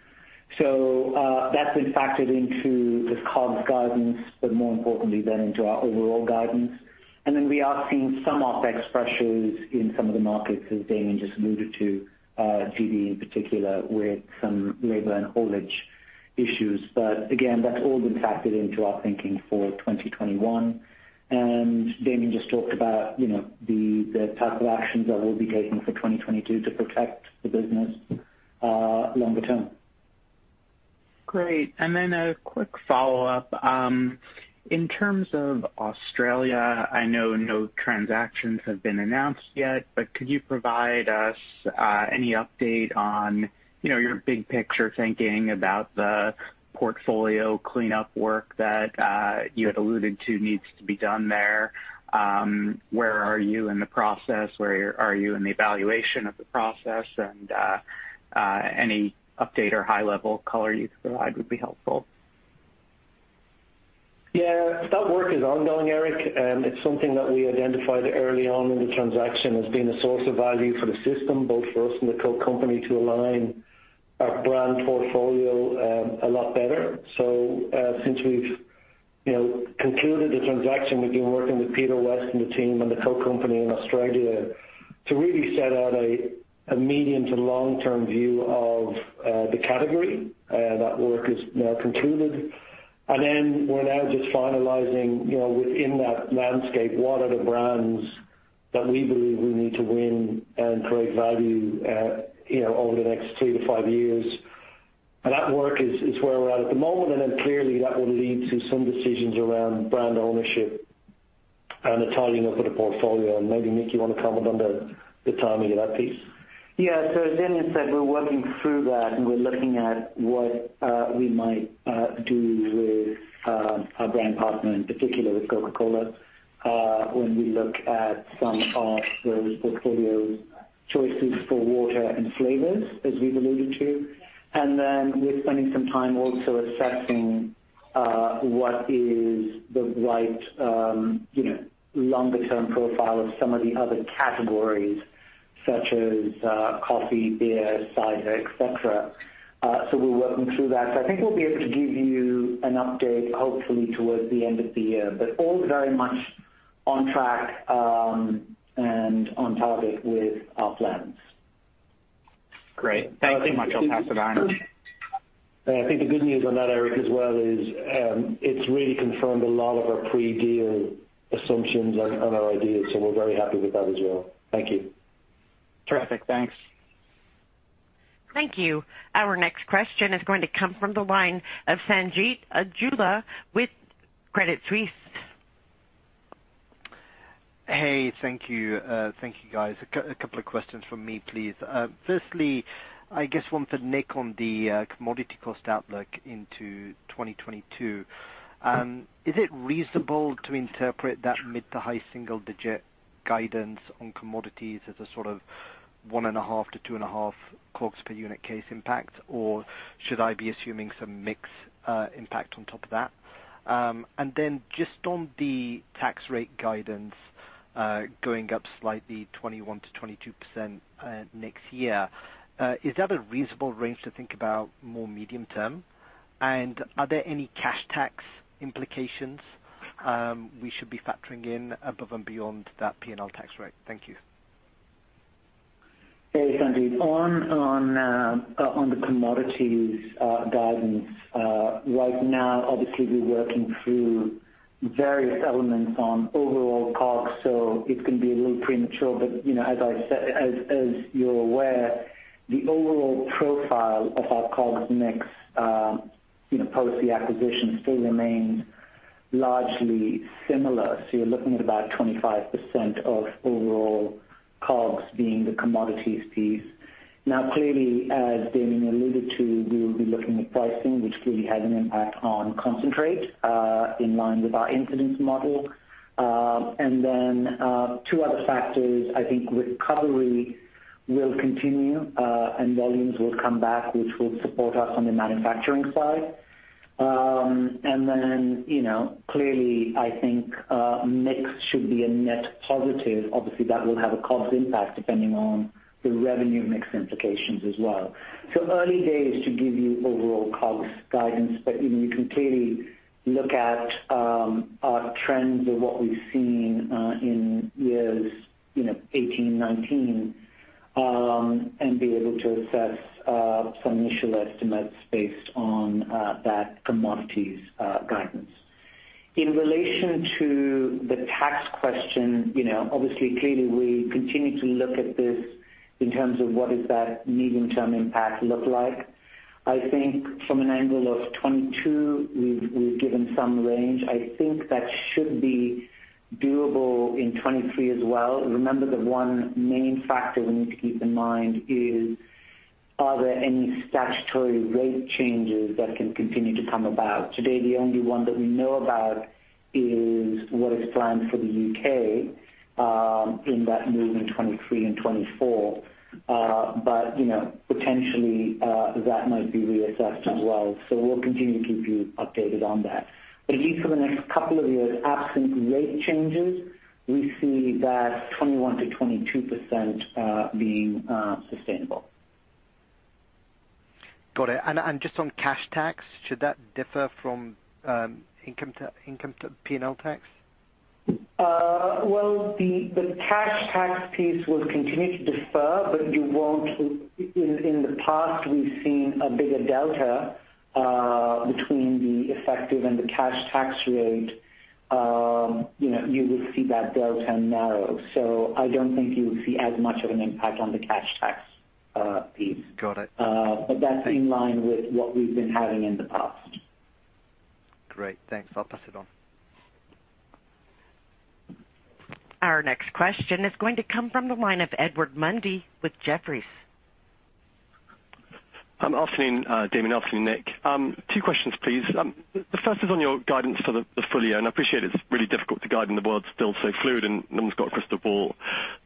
So that's been factored into the costs guidance, but more importantly, then into our overall guidance. We are seeing some OpEx pressures in some of the markets, as Damian just alluded to, GB in particular, with some labor and haulage issues. But again, that's all been factored into our thinking for 2021. Damian just talked about, you know, the type of actions that we'll be taking for 2022 to protect the business longer term. ... Great! And then a quick follow-up. In terms of Australia, I know no transactions have been announced yet, but could you provide us any update on, you know, your big picture thinking about the portfolio cleanup work that you had alluded to needs to be done there? Where are you in the process? Where are you in the evaluation of the process, and any update or high level color you could provide would be helpful. Yeah, that work is ongoing, Eric, and it's something that we identified early on in the transaction as being a source of value for the system, both for us and the Coke company, to align our brand portfolio a lot better. So, since we've, you know, concluded the transaction, we've been working with Peter West and the team and the Coke company in Australia to really set out a medium to long-term view of the category. That work is now concluded, and then we're now just finalizing, you know, within that landscape, what are the brands that we believe we need to win and create value, you know, over the next two to five years? That work is where we're at the moment, and then clearly, that will lead to some decisions around brand ownership and the tidying up of the portfolio. And maybe, Nik, you want to comment on the timing of that piece? Yeah. So as Damian said, we're working through that, and we're looking at what we might do with our brand partner, in particular with Coca-Cola, when we look at some of those portfolio choices for water and flavors, as we've alluded to. And then we're spending some time also assessing what is the right, you know, longer term profile of some of the other categories, such as coffee, beer, cider, et cetera. So we're working through that. So I think we'll be able to give you an update, hopefully towards the end of the year, but all very much on track, and on target with our plans. Great. Thank you very much. I'll pass it on. I think the good news on that, Eric, as well is, it's really confirmed a lot of our pre-deal assumptions on our ideas, so we're very happy with that as well. Thank you. Terrific. Thanks. Thank you. Our next question is going to come from the line of Sanjeet Aujla with Credit Suisse. Hey, thank you. Thank you, guys. A couple of questions from me, please. Firstly, I guess one for Nik on the commodity cost outlook into 2022. Is it reasonable to interpret that mid to high single digit guidance on commodities as a sort of one and a half to two and a half costs per unit case impact, or should I be assuming some mix impact on top of that? And then just on the tax rate guidance, going up slightly 21%-22% next year, is that a reasonable range to think about more medium term? And are there any cash tax implications we should be factoring in above and beyond that P&L tax rate? Thank you. Hey, Sanjeet. On the commodities guidance, right now, obviously we're working through various elements on overall COGS, so it's going to be a little premature. But, you know, as I said, as you're aware, the overall profile of our COGS mix, you know, post the acquisition still remains largely similar. So you're looking at about 25% of overall COGS being the commodities piece. Now, clearly, as Damian alluded to, we will be looking at pricing, which clearly has an impact on concentrate, in line with our incidence model. And then, two other factors. I think recovery will continue, and volumes will come back, which will support us on the manufacturing side. And then, you know, clearly, I think, mix should be a net positive. Obviously, that will have a COGS impact depending on the revenue mix implications as well. So early days to give you overall COGS guidance, but, you know, you can clearly look at our trends of what we've seen in years, you know, 2018, 2019, and be able to assess some initial estimates based on that commodities guidance. In relation to the tax question, you know, obviously, clearly, we continue to look at this in terms of what is that medium-term impact look like. I think from an angle of 2022, we've given some range. I think that should be doable in 2023 as well. Remember, the one main factor we need to keep in mind is, are there any statutory rate changes that can continue to come about? Today, the only one that we know about is what is planned for the UK, in that move in 2023 and 2024. But, you know, potentially, that might be reassessed as well. So we'll continue to keep you updated on that. But at least for the next couple of years, absent rate changes, we see that 21%-22% being sustainable. Got it. And just on cash tax, should that differ from income tax to P&L tax? Well, the cash tax piece will continue to defer, but you won't. In the past, we've seen a bigger delta between the effective and the cash tax rate. You know, you will see that delta narrow, so I don't think you will see as much of an impact on the cash tax piece. Got it. But that's in line with what we've been having in the past. Great. Thanks. I'll pass it on. Our next question is going to come from the line of Edward Mundy with Jefferies. Afternoon, Damian. Afternoon, Nik. Two questions, please. The first is on your guidance for the full year, and I appreciate it's really difficult to guide when the world's still so fluid, and no one's got a crystal ball.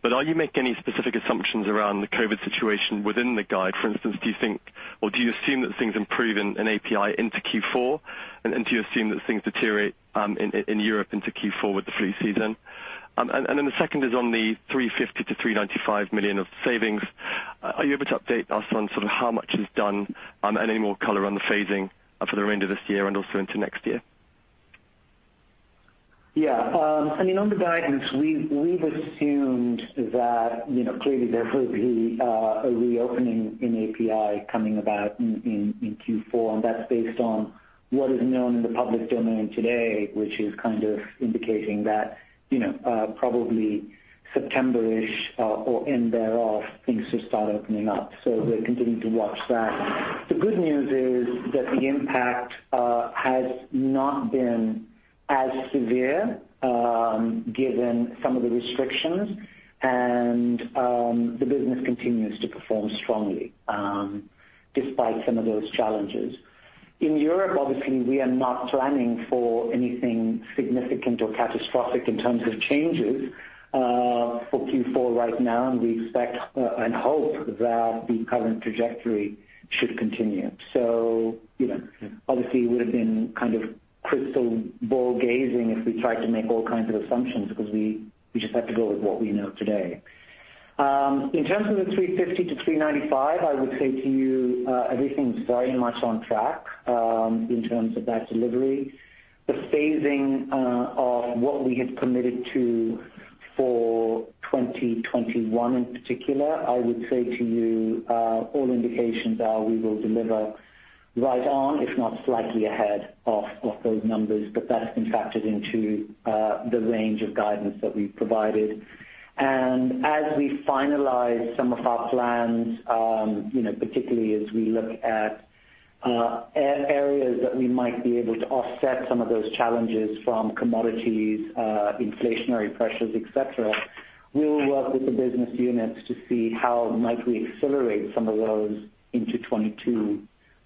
But are you making any specific assumptions around the COVID situation within the guide? For instance, do you think or do you assume that things improve in API into Q4, and do you assume that things deteriorate in Europe into Q4 with the flu season? Then the second is on the 350-395 million of savings. Are you able to update us on sort of how much is done, and any more color on the phasing for the remainder of this year and also into next year? Yeah, I mean, on the guidance, we've assumed that, you know, clearly there will be a reopening in API coming about in Q4, and that's based on what is known in the public domain today, which is kind of indicating that, you know, probably September-ish, or end thereof, things should start opening up, so we're continuing to watch that. The good news is that the impact has not been as severe, given some of the restrictions, and the business continues to perform strongly, despite some of those challenges. In Europe, obviously, we are not planning for anything significant or catastrophic in terms of changes for Q4 right now, and we expect and hope that the current trajectory should continue. So, you know, obviously, it would have been kind of crystal ball gazing if we tried to make all kinds of assumptions because we just have to go with what we know today. In terms of the 350 to 395, I would say to you, everything's very much on track, in terms of that delivery. The phasing, of what we had committed to for twenty twenty-one, in particular, I would say to you, all indications are we will deliver right on, if not slightly ahead of, those numbers, but that's been factored into, the range of guidance that we've provided. And as we finalize some of our plans, you know, particularly as we look at areas that we might be able to offset some of those challenges from commodities, inflationary pressures, et cetera, we'll work with the business units to see how might we accelerate some of those into 2022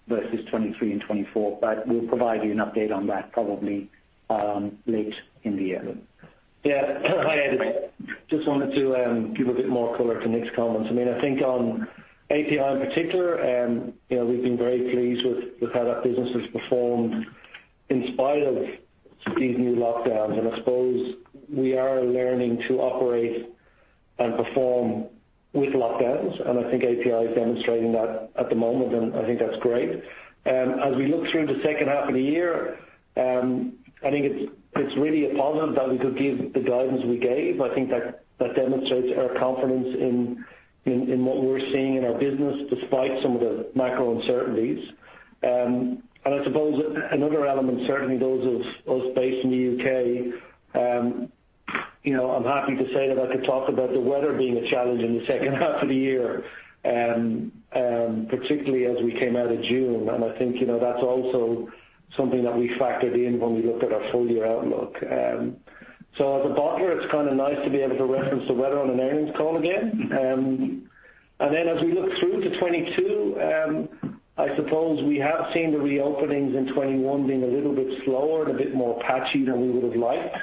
versus 2023 and 2024, but we'll provide you an update on that probably late in the year. Yeah. I just wanted to give a bit more color to Nik's comments. I mean, I think on API in particular, you know, we've been very pleased with how that business has performed in spite of these new lockdowns, and I suppose we are learning to operate and perform with lockdowns, and I think API is demonstrating that at the moment, and I think that's great. As we look through the second half of the year, I think it's really a positive that we could give the guidance we gave. I think that demonstrates our confidence in what we're seeing in our business, despite some of the macro uncertainties. I suppose another element, certainly those of us based in the UK. You know, I'm happy to say that I could talk about the weather being a challenge in the second half of the year, particularly as we came out of June. I think, you know, that's also something that we factored in when we looked at our full year outlook. As a bottler, it's kind of nice to be able to reference the weather on an earnings call again. As we look through to 2022, I suppose we have seen the re-openings in 2021 being a little bit slower and a bit more patchy than we would have liked.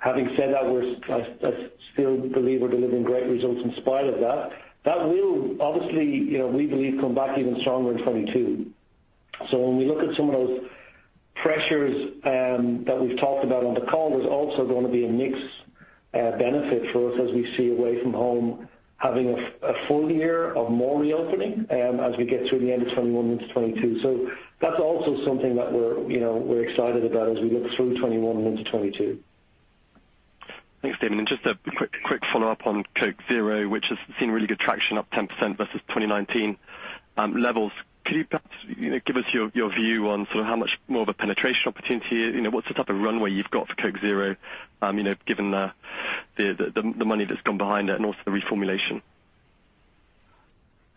Having said that, we're. I still believe we're delivering great results in spite of that. That will obviously, you know, we believe, come back even stronger in 2022. So when we look at some of those pressures, that we've talked about on the call, there's also going to be a mixed, benefit for us as we see away from home, having a full year of more reopening, as we get through the end of 2021 into 2022. So that's also something that we're, you know, we're excited about as we look through 2021 and into 2022. Thanks, Damian. Just a quick, quick follow-up on Coke Zero, which has seen really good traction, up 10% versus 2019 levels. Could you perhaps, you know, give us your view on sort of how much more of a penetration opportunity, you know, what's the type of runway you've got for Coke Zero, you know, given the money that's gone behind it and also the reformulation?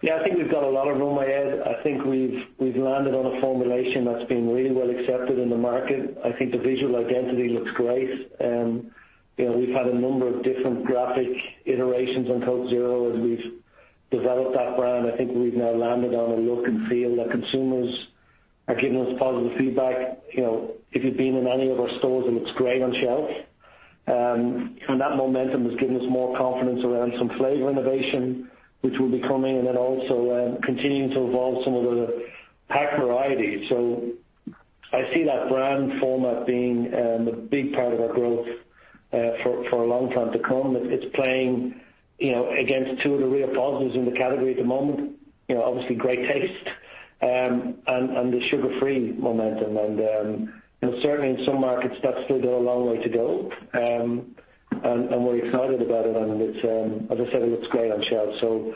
Yeah, I think we've got a lot of runway, Ed. I think we've landed on a formulation that's been really well accepted in the market. I think the visual identity looks great. You know, we've had a number of different graphic iterations on Coke Zero, as we've developed that brand. I think we've now landed on a look and feel that consumers are giving us positive feedback. You know, if you've been in any of our stores, it looks great on shelf. And that momentum has given us more confidence around some flavor innovation, which will be coming, and then also continuing to evolve some of the pack variety. So I see that brand format being a big part of our growth, for a long time to come. It's playing, you know, against two of the real positives in the category at the moment, you know, obviously, great taste, and the sugar-free momentum. You know, certainly in some markets, that's still got a long way to go. We're excited about it, and it's, as I said, it looks great on shelves. So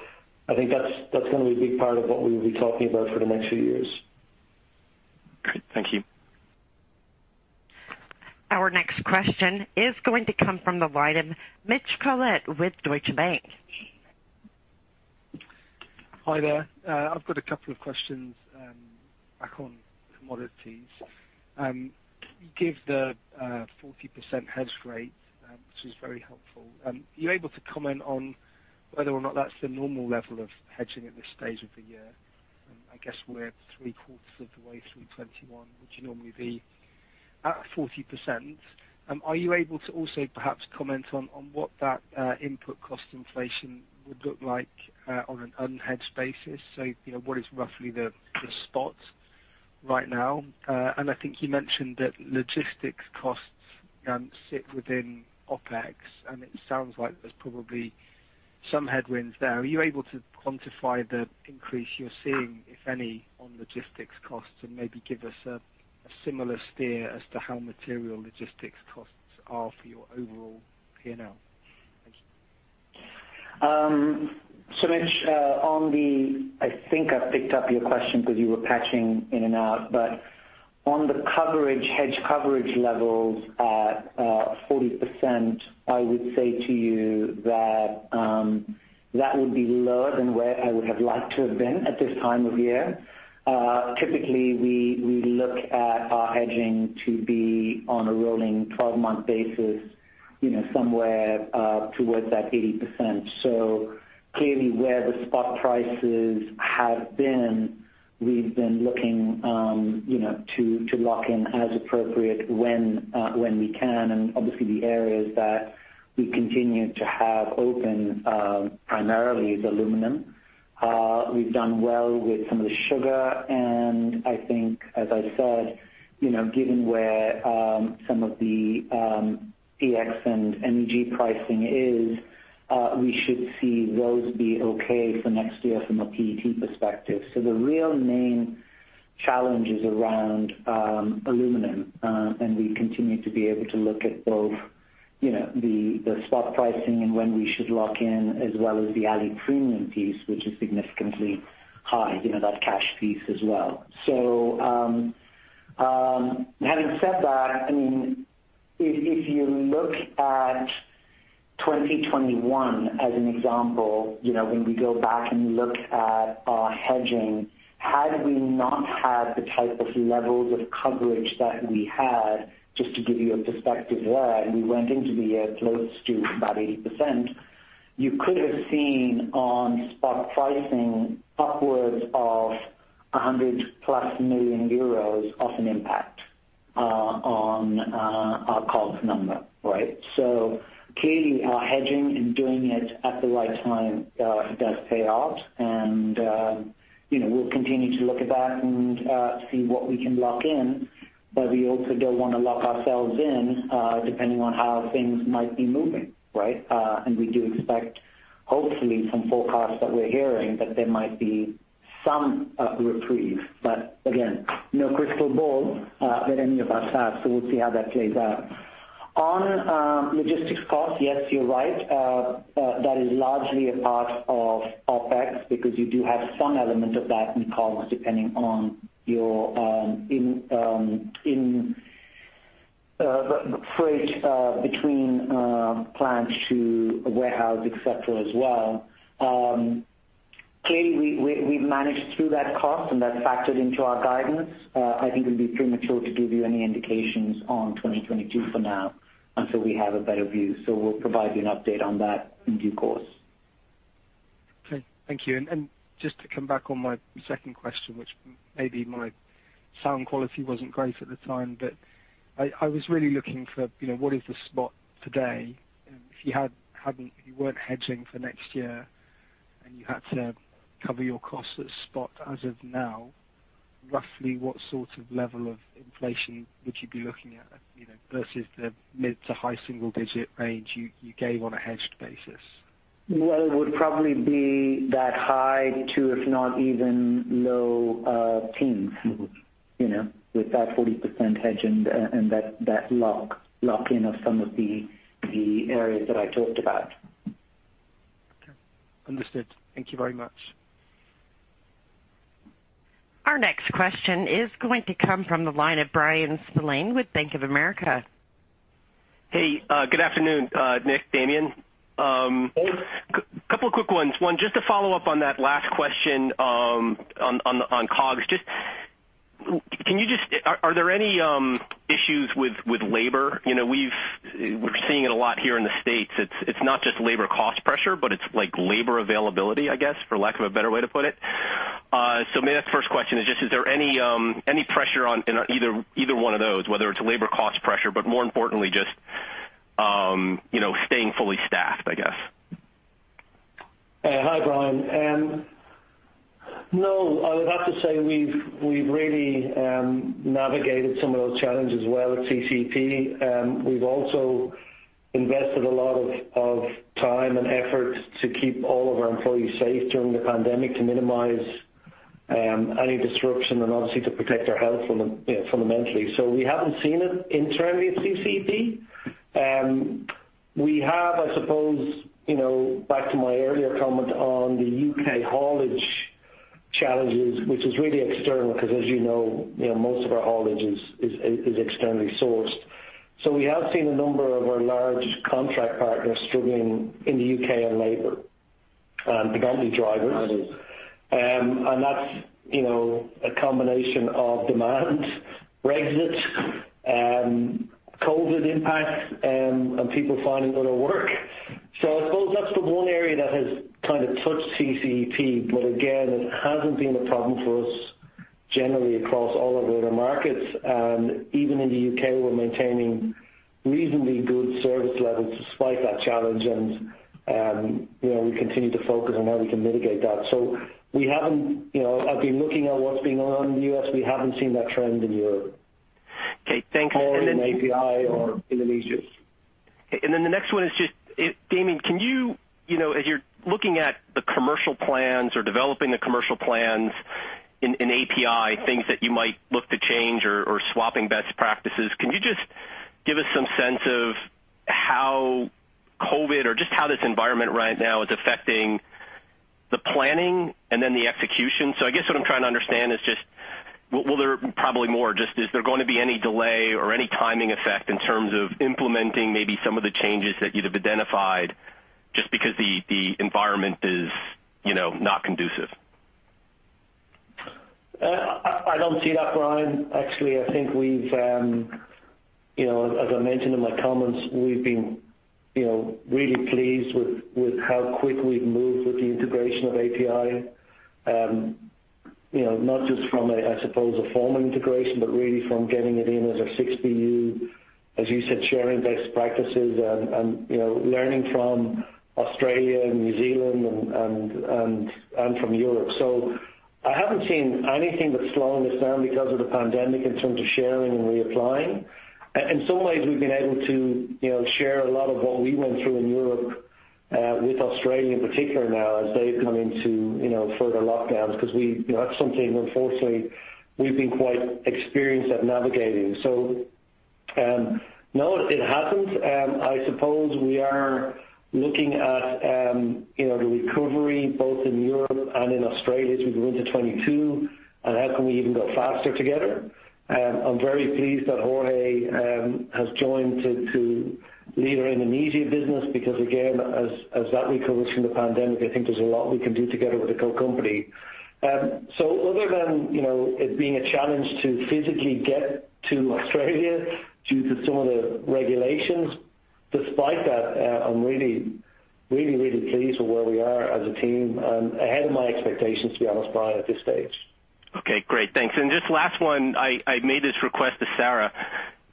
I think that's gonna be a big part of what we'll be talking about for the next few years. Great. Thank you. Our next question is going to come from the line of Mitch Collett with Deutsche Bank. Hi there. I've got a couple of questions back on commodities. Can you give the 40% hedge rate, which is very helpful? Are you able to comment on whether or not that's the normal level of hedging at this stage of the year? I guess we're three-quarters of the way through 2021, would you normally be at 40%? Are you able to also perhaps comment on what that input cost inflation would look like on an unhedged basis? So, you know, what is roughly the spot right now? And I think you mentioned that logistics costs sit within OpEx, and it sounds like there's probably some headwinds there. Are you able to quantify the increase you're seeing, if any, on logistics costs, and maybe give us a similar steer as to how material logistics costs are for your overall P&L? Thank you. Mitch, on the—I think I picked up your question because you were patching in and out, but on the coverage, hedge coverage levels at 40%, I would say to you that that would be lower than where I would have liked to have been at this time of year. Typically, we look at our hedging to be on a rolling 12-month basis, you know, somewhere towards that 80%. So clearly, where the spot prices have been, we've been looking, you know, to lock in as appropriate when we can. And obviously, the areas that we continue to have open primarily is aluminum. We've done well with some of the sugar, and I think, as I said, you know, given where some of the PX and MEG pricing is, we should see those be okay for next year from a PET perspective. So the real main challenge is around aluminum, and we continue to be able to look at both, you know, the spot pricing and when we should lock in, as well as the Ali premium piece, which is significantly high, you know, that cash piece as well. So, having said that, I mean, if you look at 2021 as an example, you know, when we go back and look at our hedging, had we not had the type of levels of coverage that we had, just to give you a perspective there, and we went into the year close to about 80%, you could have seen on spot pricing upwards of 100+ million euros of an impact on our cost number, right? So clearly, our hedging and doing it at the right time does pay off. And, you know, we'll continue to look at that and see what we can lock in, but we also don't want to lock ourselves in, depending on how things might be moving, right? And we do expect, hopefully, some forecasts that we're hearing, that there might be some reprieve, but again, no crystal ball that any of us have, so we'll see how that plays out. On logistics costs, yes, you're right. That is largely a part of OpEx, because you do have some element of that in costs, depending on your in the freight between plant to a warehouse, et cetera, as well. Clearly, we've managed through that cost, and that's factored into our guidance. I think it would be premature to give you any indications on 2022 for now, until we have a better view. So we'll provide you an update on that in due course. Okay, thank you. And just to come back on my second question, which maybe my sound quality wasn't great at the time, but I was really looking for, you know, what is the spot today? If you hadn't you weren't hedging for next year, and you had to cover your costs at spot as of now, roughly what sort of level of inflation would you be looking at, you know, versus the mid- to high-single-digit range you gave on a hedged basis? It would probably be that high, too, if not even low teens, you know, with that 40% hedge and that lock-in of some of the areas that I talked about. Okay, understood. Thank you very much. Our next question is going to come from the line of Bryan Spillane with Bank of America. Hey, good afternoon, Nk, Damian. Hey. A couple of quick ones. One, just to follow up on that last question, on COGS. Just, can you just... Are there any issues with labor? You know, we've, we're seeing it a lot here in the States. It's not just labor cost pressure, but it's like labor availability, I guess, for lack of a better way to put it. So maybe that's the first question, is just, is there any pressure on, in either one of those, whether it's labor cost pressure, but more importantly, just, you know, staying fully staffed, I guess? Hi, Bryan. No, I would have to say we've really navigated some of those challenges well at CCP. We've also invested a lot of time and effort to keep all of our employees safe during the pandemic, to minimize any disruption and obviously to protect their health fundamentally. We haven't seen it internally at CCP. We have, I suppose, you know, back to my earlier comment on the UK haulage challenges, which is really external, because as you know, most of our haulage is externally sourced. So we have seen a number of our large contract partners struggling in the UK on labor, particularly drivers. And that's, you know, a combination of demand, Brexit, COVID impact, and people finally going to work. So I suppose that's the one area that has kind of touched CCEP, but again, it hasn't been a problem for us generally across all of our other markets. And even in the UK, we're maintaining reasonably good service levels despite that challenge, and, you know, we continue to focus on how we can mitigate that. So we haven't, you know, I've been looking at what's been going on in the US, we haven't seen that trend in Europe. Okay, thanks, and then- Or in API or Indonesia. And then the next one is just, Damian, can you, you know, as you're looking at the commercial plans or developing the commercial plans in API, things that you might look to change or swapping best practices, can you just give us some sense of how COVID or just how this environment right now is affecting the planning and then the execution? So I guess what I'm trying to understand is just, well, there are probably more, just, is there going to be any delay or any timing effect in terms of implementing maybe some of the changes that you'd have identified just because the environment is, you know, not conducive? I don't see that, Bryan. Actually, I think we've, you know, as I mentioned in my comments, we've been, you know, really pleased with how quick we've moved with the integration of API. You know, not just from a, I suppose, a formal integration, but really from getting it in as a six BU, as you said, sharing best practices and from Europe. So I haven't seen anything that's slowing us down because of the pandemic in terms of sharing and reapplying. In some ways, we've been able to, you know, share a lot of what we went through in Europe with Australia in particular now as they've come into, you know, further lockdowns, because we, you know, that's something unfortunately, we've been quite experienced at navigating. So, no, it hasn't. I suppose we are looking at, you know, the recovery both in Europe and in Australia as we go into 2022, and how can we even go faster together? I'm very pleased that Jorge has joined to lead our Indonesia business, because again, as that recovers from the pandemic, I think there's a lot we can do together with the Coke company. So other than, you know, it being a challenge to physically get to Australia due to some of the regulations, despite that, I'm really, really, really pleased with where we are as a team, and ahead of my expectations, to be honest, Bryan, at this stage. Okay, great. Thanks. And just last one, I made this request to Sarah.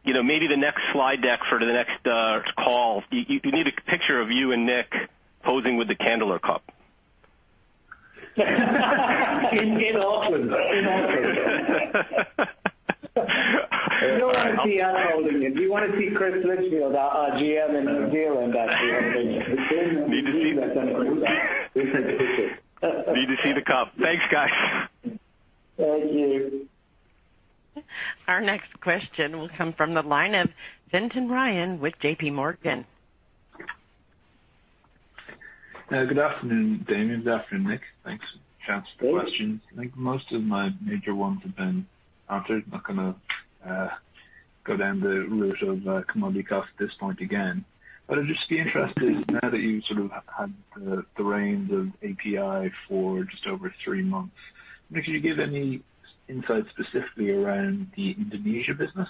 You know, maybe the next slide deck for the next call, you need a picture of you and Nik posing with the Candler Cup. In Auckland. You don't want to see us holding it. You want to see Chris Litchfield, our GM in New Zealand, actually. Need to see that. Need to see the cup. Thanks, guys. Thank you. Our next question will come from the line of Fintan Ryan with JPMorgan. Good afternoon, Damian. Good afternoon, Nik. Thanks for the chance to question. I think most of my major ones have been answered. I'm not gonna go down the route of commodity cost at this point again. But I'd just be interested, now that you've sort of had the reins of API for just over three months, Nik, could you give any insight specifically around the Indonesia business?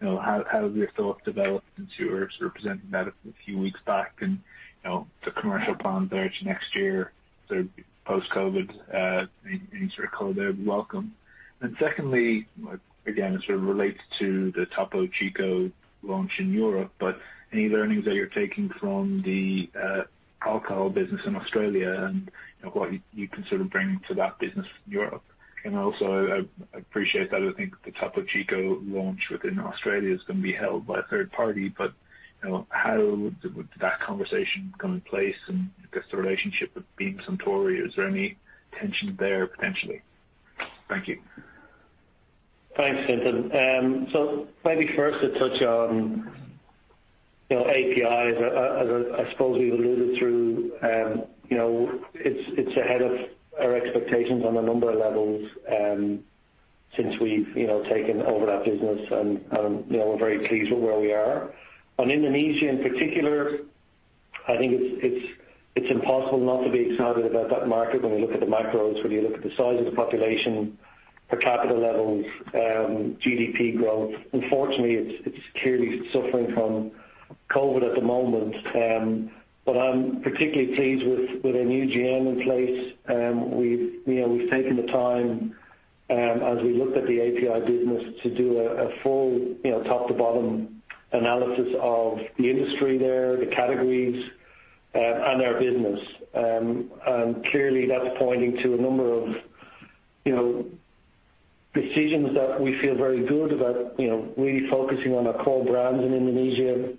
You know, how have your thoughts developed since you were presenting that a few weeks back, and, you know, the commercial plans there to next year, sort of post-COVID, any sort of COVID welcome. And secondly, again, it sort of relates to the Topo Chico launch in Europe, but any learnings that you're taking from the alcohol business in Australia and, you know, what you can sort of bring to that business in Europe? And also, I appreciate that I think the Topo Chico launch within Australia is going to be held by a third party, but, you know, how would that conversation come in place and I guess, the relationship with Beam Suntory, is there any tension there potentially? Thank you. Thanks, Fintan. So maybe first to touch on, you know, API, as I suppose we've alluded through, you know, it's ahead of our expectations on a number of levels, since we've, you know, taken over that business, and you know, we're very pleased with where we are. On Indonesia in particular, I think it's impossible not to be excited about that market when you look at the macros, when you look at the size of the population, per capita levels, GDP growth. Unfortunately, it's clearly suffering from COVID at the moment, but I'm particularly pleased with a new GM in place. We've you know we've taken the time, as we looked at the API business to do a full, you know, top to bottom analysis of the industry there, the categories, and our business. And clearly, that's pointing to a number of, you know, decisions that we feel very good about, you know, really focusing on our core brands in Indonesia,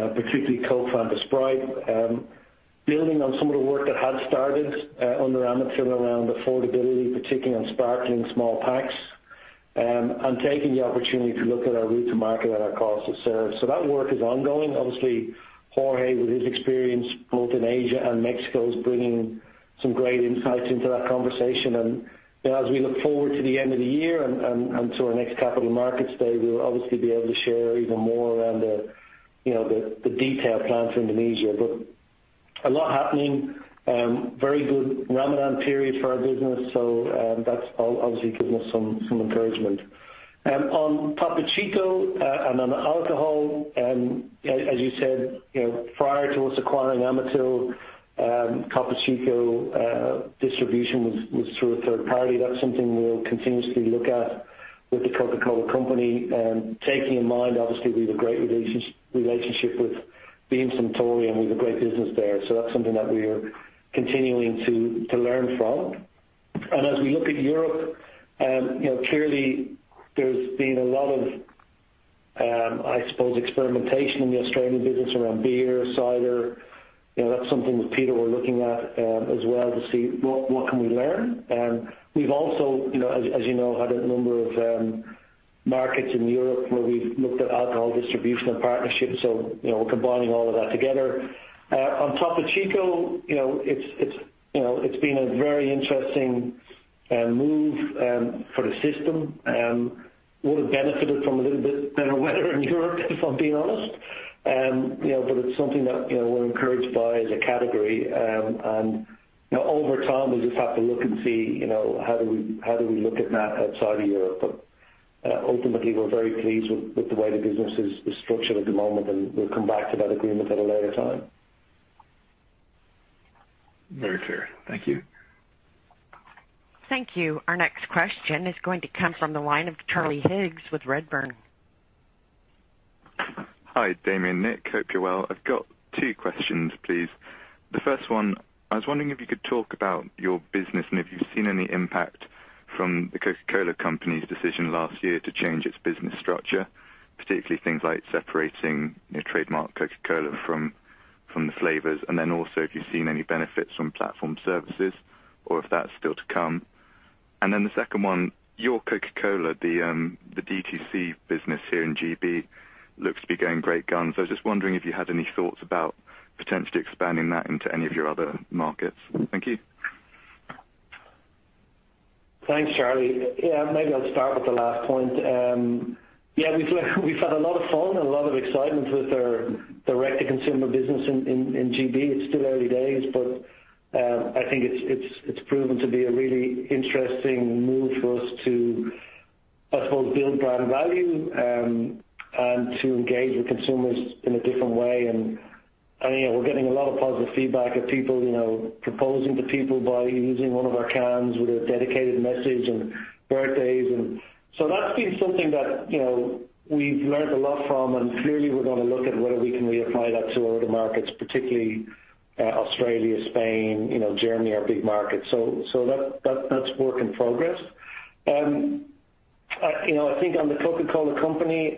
particularly Coke, Fanta, Sprite. Building on some of the work that had started under Amit around affordability, particularly on sparkling small packs. And taking the opportunity to look at our route to market and our cost to serve. So that work is ongoing. Obviously, Jorge, with his experience both in Asia and Mexico, is bringing some great insights into that conversation. And, you know, as we look forward to the end of the year and to our next capital markets day, we will obviously be able to share even more around the, you know, the detailed plan for Indonesia. But a lot happening, very good Ramadan period for our business, so, that's obviously given us some encouragement. On Topo Chico, and on alcohol, as you said, you know, prior to us acquiring Amatil, Topo Chico distribution was through a third party. That's something we'll continuously look at with The Coca-Cola Company, taking in mind, obviously, we have a great relationship with Beam Suntory, and we have a great business there. So that's something that we are continuing to learn from. And as we look at Europe, you know, clearly there's been a lot of, I suppose, experimentation in the Australian business around beer, cider. You know, that's something with Peter we're looking at, as well to see what can we learn. We've also, you know, as you know, had a number of markets in Europe where we've looked at alcohol distribution and partnerships. So, you know, we're combining all of that together. On Topo Chico, you know, it's been a very interesting move for the system. Would have benefited from a little bit better weather in Europe, if I'm being honest. You know, but it's something that we're encouraged by as a category. And, you know, over time, we just have to look and see, you know, how do we look at that outside of Europe? But ultimately, we're very pleased with the way the business is structured at the moment, and we'll come back to that agreement at a later time. Very clear. Thank you. Thank you. Our next question is going to come from the line of Charlie Higgs with Redburn. Hi, Damian, Nik. Hope you're well. I've got two questions, please. The first one, I was wondering if you could talk about your business and if you've seen any impact from The Coca-Cola Company's decision last year to change its business structure, particularly things like separating, you know, trademark Coca-Cola from the flavors. And then also, if you've seen any benefits from platform services or if that's still to come. And then the second one, Your Coca-Cola, the DTC business here in GB, looks to be going great guns. I was just wondering if you had any thoughts about potentially expanding that into any of your other markets. Thank you. Thanks, Charlie. Yeah, maybe I'll start with the last point. Yeah, we've learned we've had a lot of fun and a lot of excitement with our direct-to-consumer business in GB. It's still early days, but I think it's proven to be a really interesting move for us to, I suppose, build brand value and to engage with consumers in a different way. And you know, we're getting a lot of positive feedback of people you know, proposing to people by using one of our cans with a dedicated message and birthdays. And so that's been something that you know, we've learned a lot from, and clearly, we're gonna look at whether we can reapply that to other markets, particularly Australia, Spain, you know, Germany, our big markets. So that's work in progress. You know, I think on The Coca-Cola Company,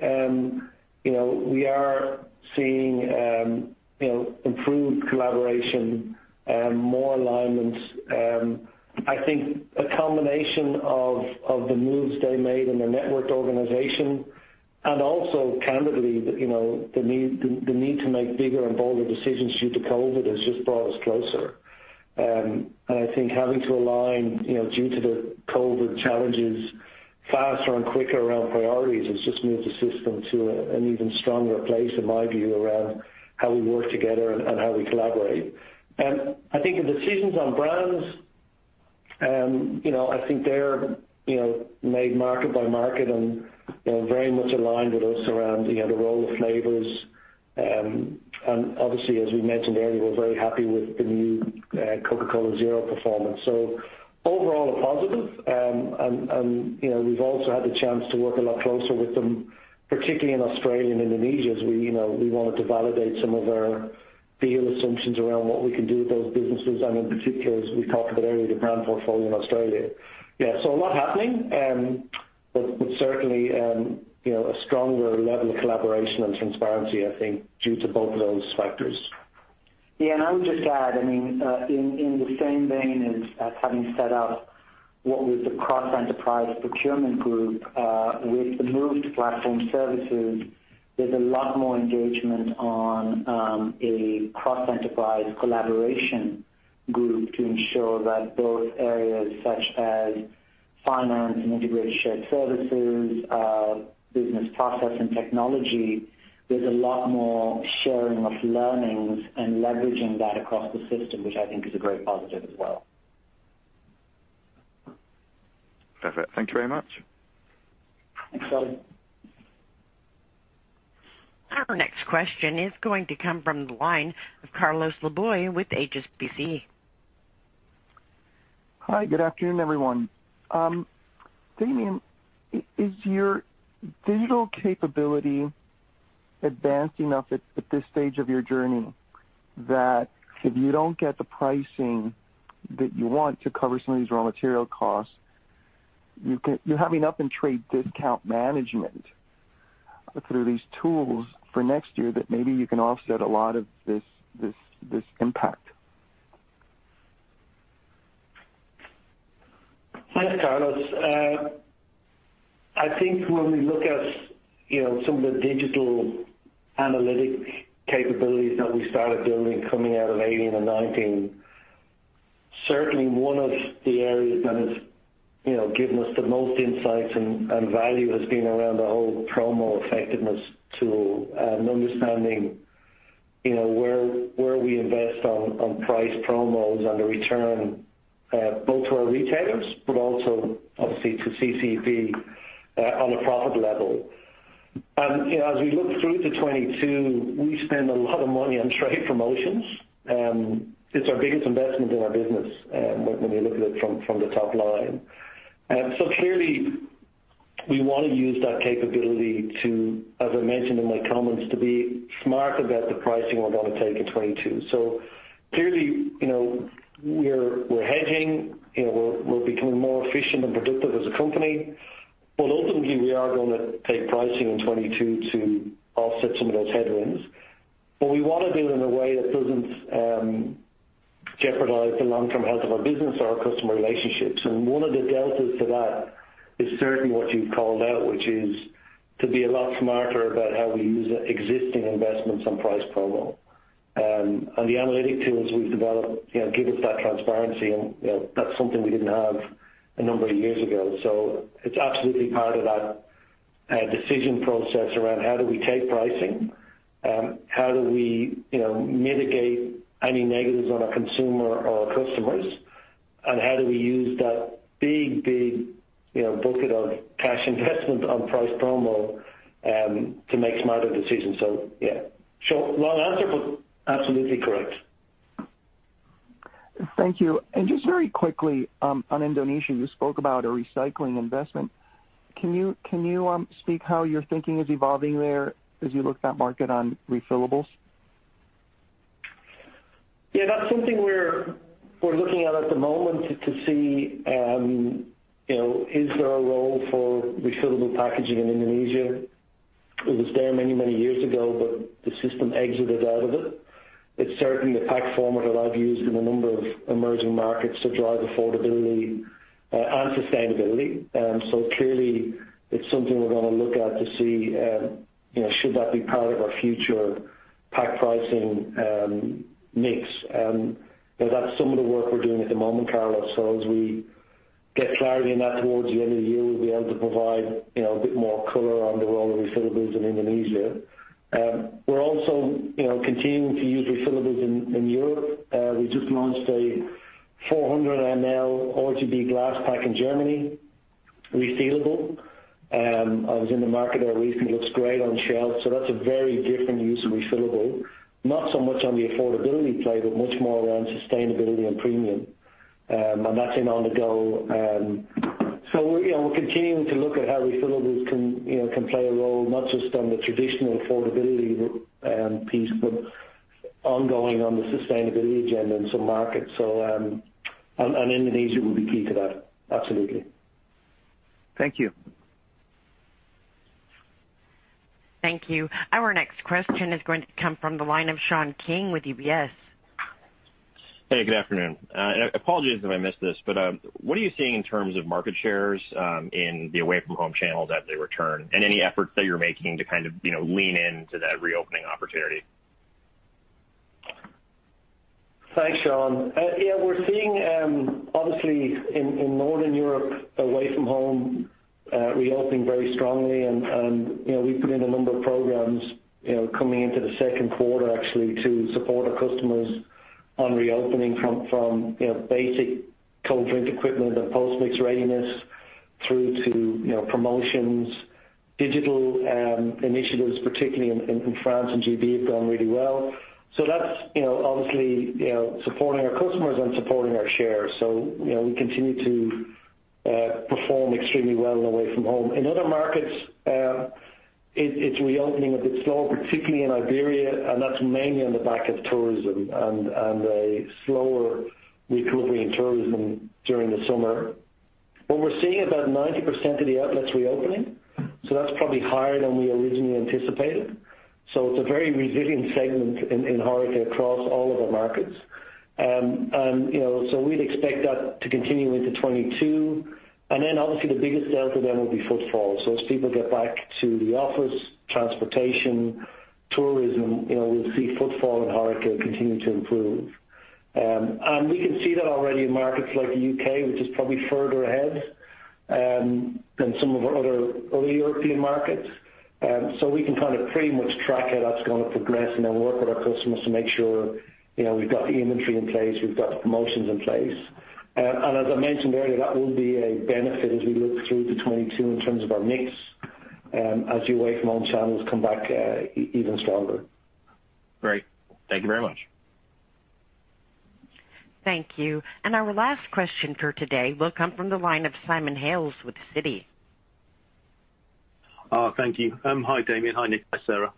you know, we are seeing, you know, improved collaboration, more alignments. I think a combination of the moves they made in their networked organization, and also, candidly, you know, the need to make bigger and bolder decisions due to COVID has just brought us closer, and I think having to align, you know, due to the COVID challenges faster and quicker around priorities, has just moved the system to an even stronger place, in my view, around how we work together and how we collaborate, and I think the decisions on brands, you know, I think they're, you know, made market by market and, you know, very much aligned with us around, you know, the role of flavors. And obviously, as we mentioned earlier, we're very happy with the new Coca-Cola Zero performance. So overall, a positive. And you know, we've also had the chance to work a lot closer with them, particularly in Australia and Indonesia, as we you know, we wanted to validate some of our deal assumptions around what we can do with those businesses, and in particular, as we talked about earlier, the brand portfolio in Australia. Yeah, so a lot happening, but certainly you know, a stronger level of collaboration and transparency, I think, due to both of those factors. Yeah, and I would just add, I mean, in the same vein as having set up what was the cross-enterprise procurement group, with the move to platform services, there's a lot more engagement on a cross-enterprise collaboration group to ensure that both areas such as finance and integrated shared services, business process and technology, there's a lot more sharing of learnings and leveraging that across the system, which I think is a great positive as well. Perfect. Thank you very much. Thanks, Charlie. Our next question is going to come from the line of Carlos Laboy with HSBC. Hi, good afternoon, everyone. Damian, is your digital capability advanced enough at this stage of your journey, that if you don't get the pricing that you want to cover some of these raw material costs, you can-- you're having up in trade discount management through these tools for next year, that maybe you can offset a lot of this impact?... Thanks, Carlos. I think when we look at, you know, some of the digital analytic capabilities that we started building coming out of 2018 and 2019, certainly one of the areas that has, you know, given us the most insights and value has been around the whole promo effectiveness tool and understanding, you know, where we invest on price promos and the return both to our retailers, but also obviously to CCP on a profit level. And, you know, as we look through to 2022, we spend a lot of money on trade promotions. It's our biggest investment in our business when we look at it from the top line. And so clearly, we want to use that capability to, as I mentioned in my comments, to be smart about the pricing we're going to take in 2022. So clearly, you know, we're hedging, you know, we're becoming more efficient and productive as a company. But ultimately, we are going to take pricing in 2022 to offset some of those headwinds. But we want to do it in a way that doesn't jeopardize the long-term health of our business or our customer relationships. And one of the deltas to that is certainly what you've called out, which is to be a lot smarter about how we use existing investments on price promo. And the analytic tools we've developed, you know, give us that transparency, and, you know, that's something we didn't have a number of years ago. So it's absolutely part of that decision process around how do we take pricing, how do we, you know, mitigate any negatives on our consumer or our customers? How do we use that big, big, you know, bucket of cash investment on price promo to make smarter decisions? Yeah, short, long answer, but absolutely correct. Thank you. And just very quickly, on Indonesia, you spoke about a recycling investment. Can you speak how your thinking is evolving there as you look at that market on refillables? Yeah, that's something we're looking at the moment to see, you know, is there a role for refillable packaging in Indonesia? It was there many, many years ago, but the system exited out of it. It's certainly a pack format that I've used in a number of emerging markets to drive affordability and sustainability. So clearly, it's something we're gonna look at to see, you know, should that be part of our future pack pricing mix. You know, that's some of the work we're doing at the moment, Carlos. So as we get clarity on that towards the end of the year, we'll be able to provide, you know, a bit more color on the role of refillables in Indonesia. We're also, you know, continuing to use refillables in Europe. We just launched a 400 ml OTB glass pack in Germany, resealable. I was in the market there recently, it looks great on shelf, so that's a very different use of refillable. Not so much on the affordability play, but much more around sustainability and premium, and that's in on the go. So you know, we're continuing to look at how refillables can, you know, can play a role, not just on the traditional affordability piece, but ongoing on the sustainability agenda in some markets, so and Indonesia will be key to that. Absolutely. Thank you. Thank you. Our next question is going to come from the line of Sean King with UBS. Hey, good afternoon. And apologies if I missed this, but, what are you seeing in terms of market shares, in the away-from-home channels as they return, and any efforts that you're making to kind of, you know, lean into that reopening opportunity? Thanks, Sean. Yeah, we're seeing obviously in Northern Europe, away from home, reopening very strongly. And you know, we put in a number of programs, you know, coming into the second quarter, actually, to support our customers on reopening from you know, basic cold drink equipment and post mix readiness through to you know, promotions. Digital initiatives, particularly in France and GB, have gone really well. So that's you know, obviously, you know, supporting our customers and supporting our shares. So you know, we continue to perform extremely well in away from home. In other markets, it's reopening a bit slower, particularly in Iberia, and that's mainly on the back of tourism and a slower recovery in tourism during the summer. But we're seeing about 90% of the outlets reopening, so that's probably higher than we originally anticipated. So it's a very resilient segment in HoReCa across all of our markets. And, you know, so we'd expect that to continue into 2022. And then, obviously, the biggest delta then will be footfall. So as people get back to the office, transportation, tourism, you know, we'll see footfall and HoReCa continue to improve. And we can see that already in markets like the UK, which is probably further ahead than some of our other early European markets. So we can kind of pretty much track how that's going to progress and then work with our customers to make sure, you know, we've got the inventory in place, we've got the promotions in place. As I mentioned earlier, that will be a benefit as we look through to 2022 in terms of our mix, as the away-from-home channels come back, even stronger. Great. Thank you very much. Thank you. And our last question for today will come from the line of Simon Hales with Citi. Thank you. Hi, Damian. Hi, Nik. Hi, Sarah.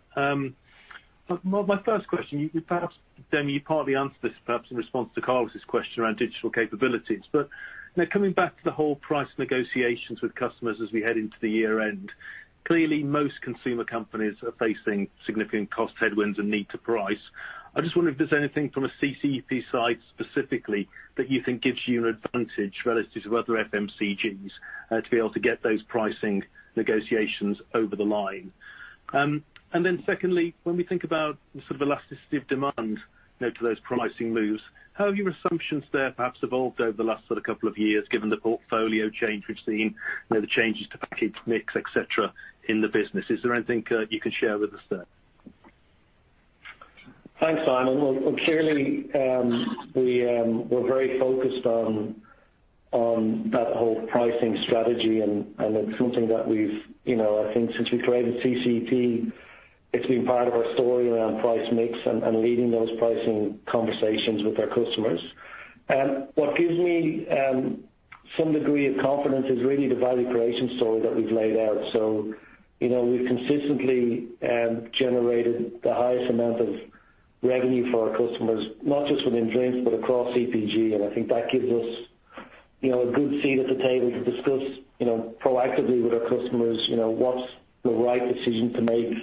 Well, my first question, you perhaps, Damian, you partly answered this, perhaps in response to Carlos's question around digital capabilities. But now coming back to the whole price negotiations with customers as we head into the year end. Clearly, most consumer companies are facing significant cost headwinds and need to price. I just wonder if there's anything from a CCEP side specifically that you think gives you an advantage relative to other FMCGs to be able to get those pricing negotiations over the line? And then secondly, when we think about the sort of elasticity of demand, you know, to those pricing moves, how have your assumptions there perhaps evolved over the last sort of couple of years, given the portfolio change we've seen, you know, the changes to package mix, et cetera, in the business? Is there anything you can share with us there? Thanks, Simon. Well, clearly, we, we're very focused on that whole pricing strategy, and it's something that we've, you know, I think since we created CCEP, it's been part of our story around price mix and leading those pricing conversations with our customers. What gives me, some degree of confidence is really the value creation story that we've laid out. So, you know, we've consistently, generated the highest amount of revenue for our customers, not just within drinks, but across CPG. And I think that gives us, you know, a good seat at the table to discuss, you know, proactively with our customers, you know, what's the right decision to make,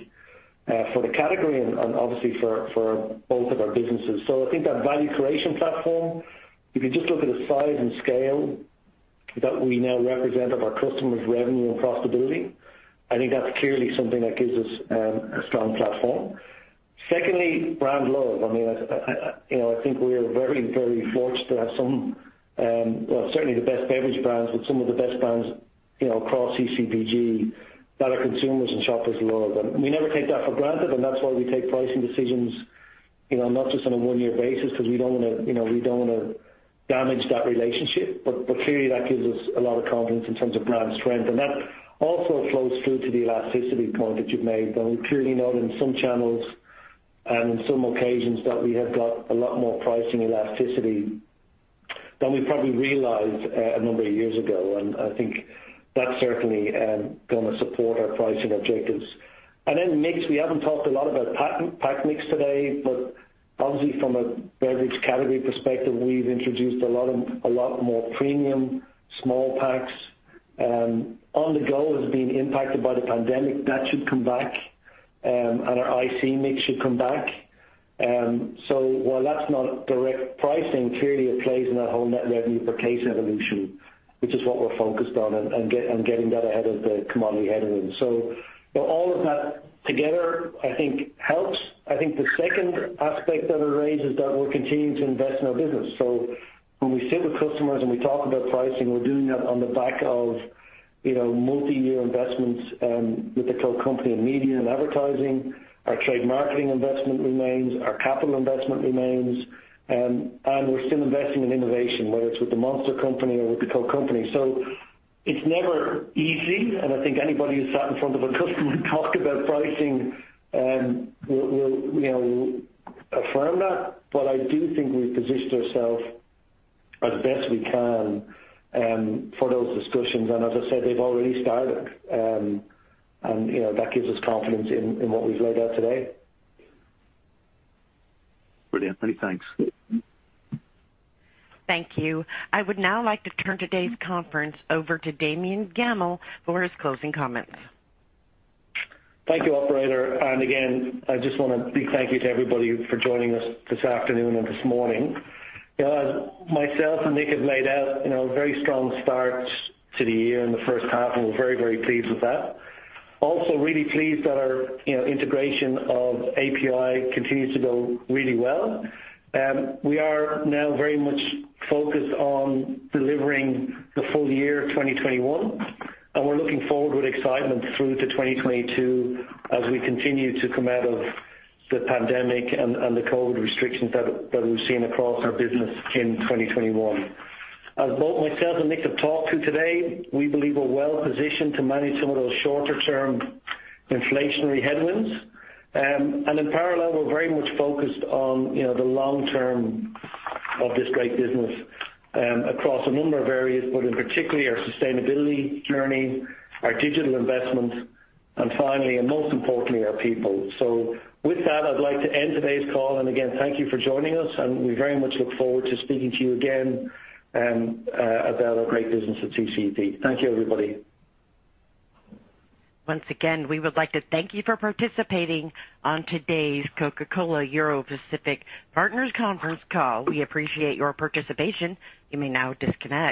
for the category and obviously for both of our businesses. So I think that value creation platform, if you just look at the size and scale that we now represent of our customers' revenue and profitability, I think that's clearly something that gives us a strong platform. Secondly, brand love. I mean, you know, I think we are very, very fortunate to have some, well, certainly the best beverage brands, but some of the best brands, you know, across CCEP, that our consumers and shoppers love. And we never take that for granted, and that's why we take pricing decisions, you know, not just on a one-year basis, because we don't want to, you know, we don't want to damage that relationship. But clearly, that gives us a lot of confidence in terms of brand strength. And that also flows through to the elasticity point that you've made. But we clearly know in some channels and in some occasions that we have got a lot more pricing elasticity than we probably realized a number of years ago. I think that's certainly gonna support our pricing objectives. Then next, we haven't talked a lot about pack, pack mix today, but obviously from a beverage category perspective we've introduced a lot of, a lot more premium small packs. On-the-go has been impacted by the pandemic. That should come back and our IC mix should come back. So while that's not direct pricing, clearly it plays in that whole net revenue per case evolution, which is what we're focused on, and getting that ahead of the commodity headroom. All of that together, I think helps. I think the second aspect that I raised is that we're continuing to invest in our business. So when we sit with customers and we talk about pricing, we're doing that on the back of, you know, multiyear investments with the Coke company in media and advertising. Our trade marketing investment remains, our capital investment remains, and we're still investing in innovation, whether it's with the Monster company or with the Coke company, so it's never easy, and I think anybody who's sat in front of a customer and talked about pricing will, you know, affirm that, but I do think we've positioned ourselves as best we can for those discussions, and as I said, they've already started, and, you know, that gives us confidence in what we've laid out today. Brilliant. Many thanks. Thank you. I would now like to turn today's conference over to Damian Gammell for his closing comments. Thank you, operator. And again, I just want to give a big thank you to everybody for joining us this afternoon and this morning. You know, as myself and Nik have laid out, you know, a very strong start to the year in the first half, and we're very, very pleased with that. Also, really pleased that our, you know, integration of API continues to go really well. We are now very much focused on delivering the full year of 2021, and we're looking forward with excitement through to 2022 as we continue to come out of the pandemic and the COVID restrictions that we've seen across our business in 2021. As both myself and Nik have talked to today, we believe we're well positioned to manage some of those shorter term inflationary headwinds. And in parallel, we're very much focused on, you know, the long term of this great business, across a number of areas, but in particular, our sustainability journey, our digital investment, and finally, and most importantly, our people. So with that, I'd like to end today's call. And again, thank you for joining us, and we very much look forward to speaking to you again, about our great business at CCEP. Thank you, everybody. Once again, we would like to thank you for participating on today's Coca-Cola Europacific Partners Conference call. We appreciate your participation. You may now disconnect.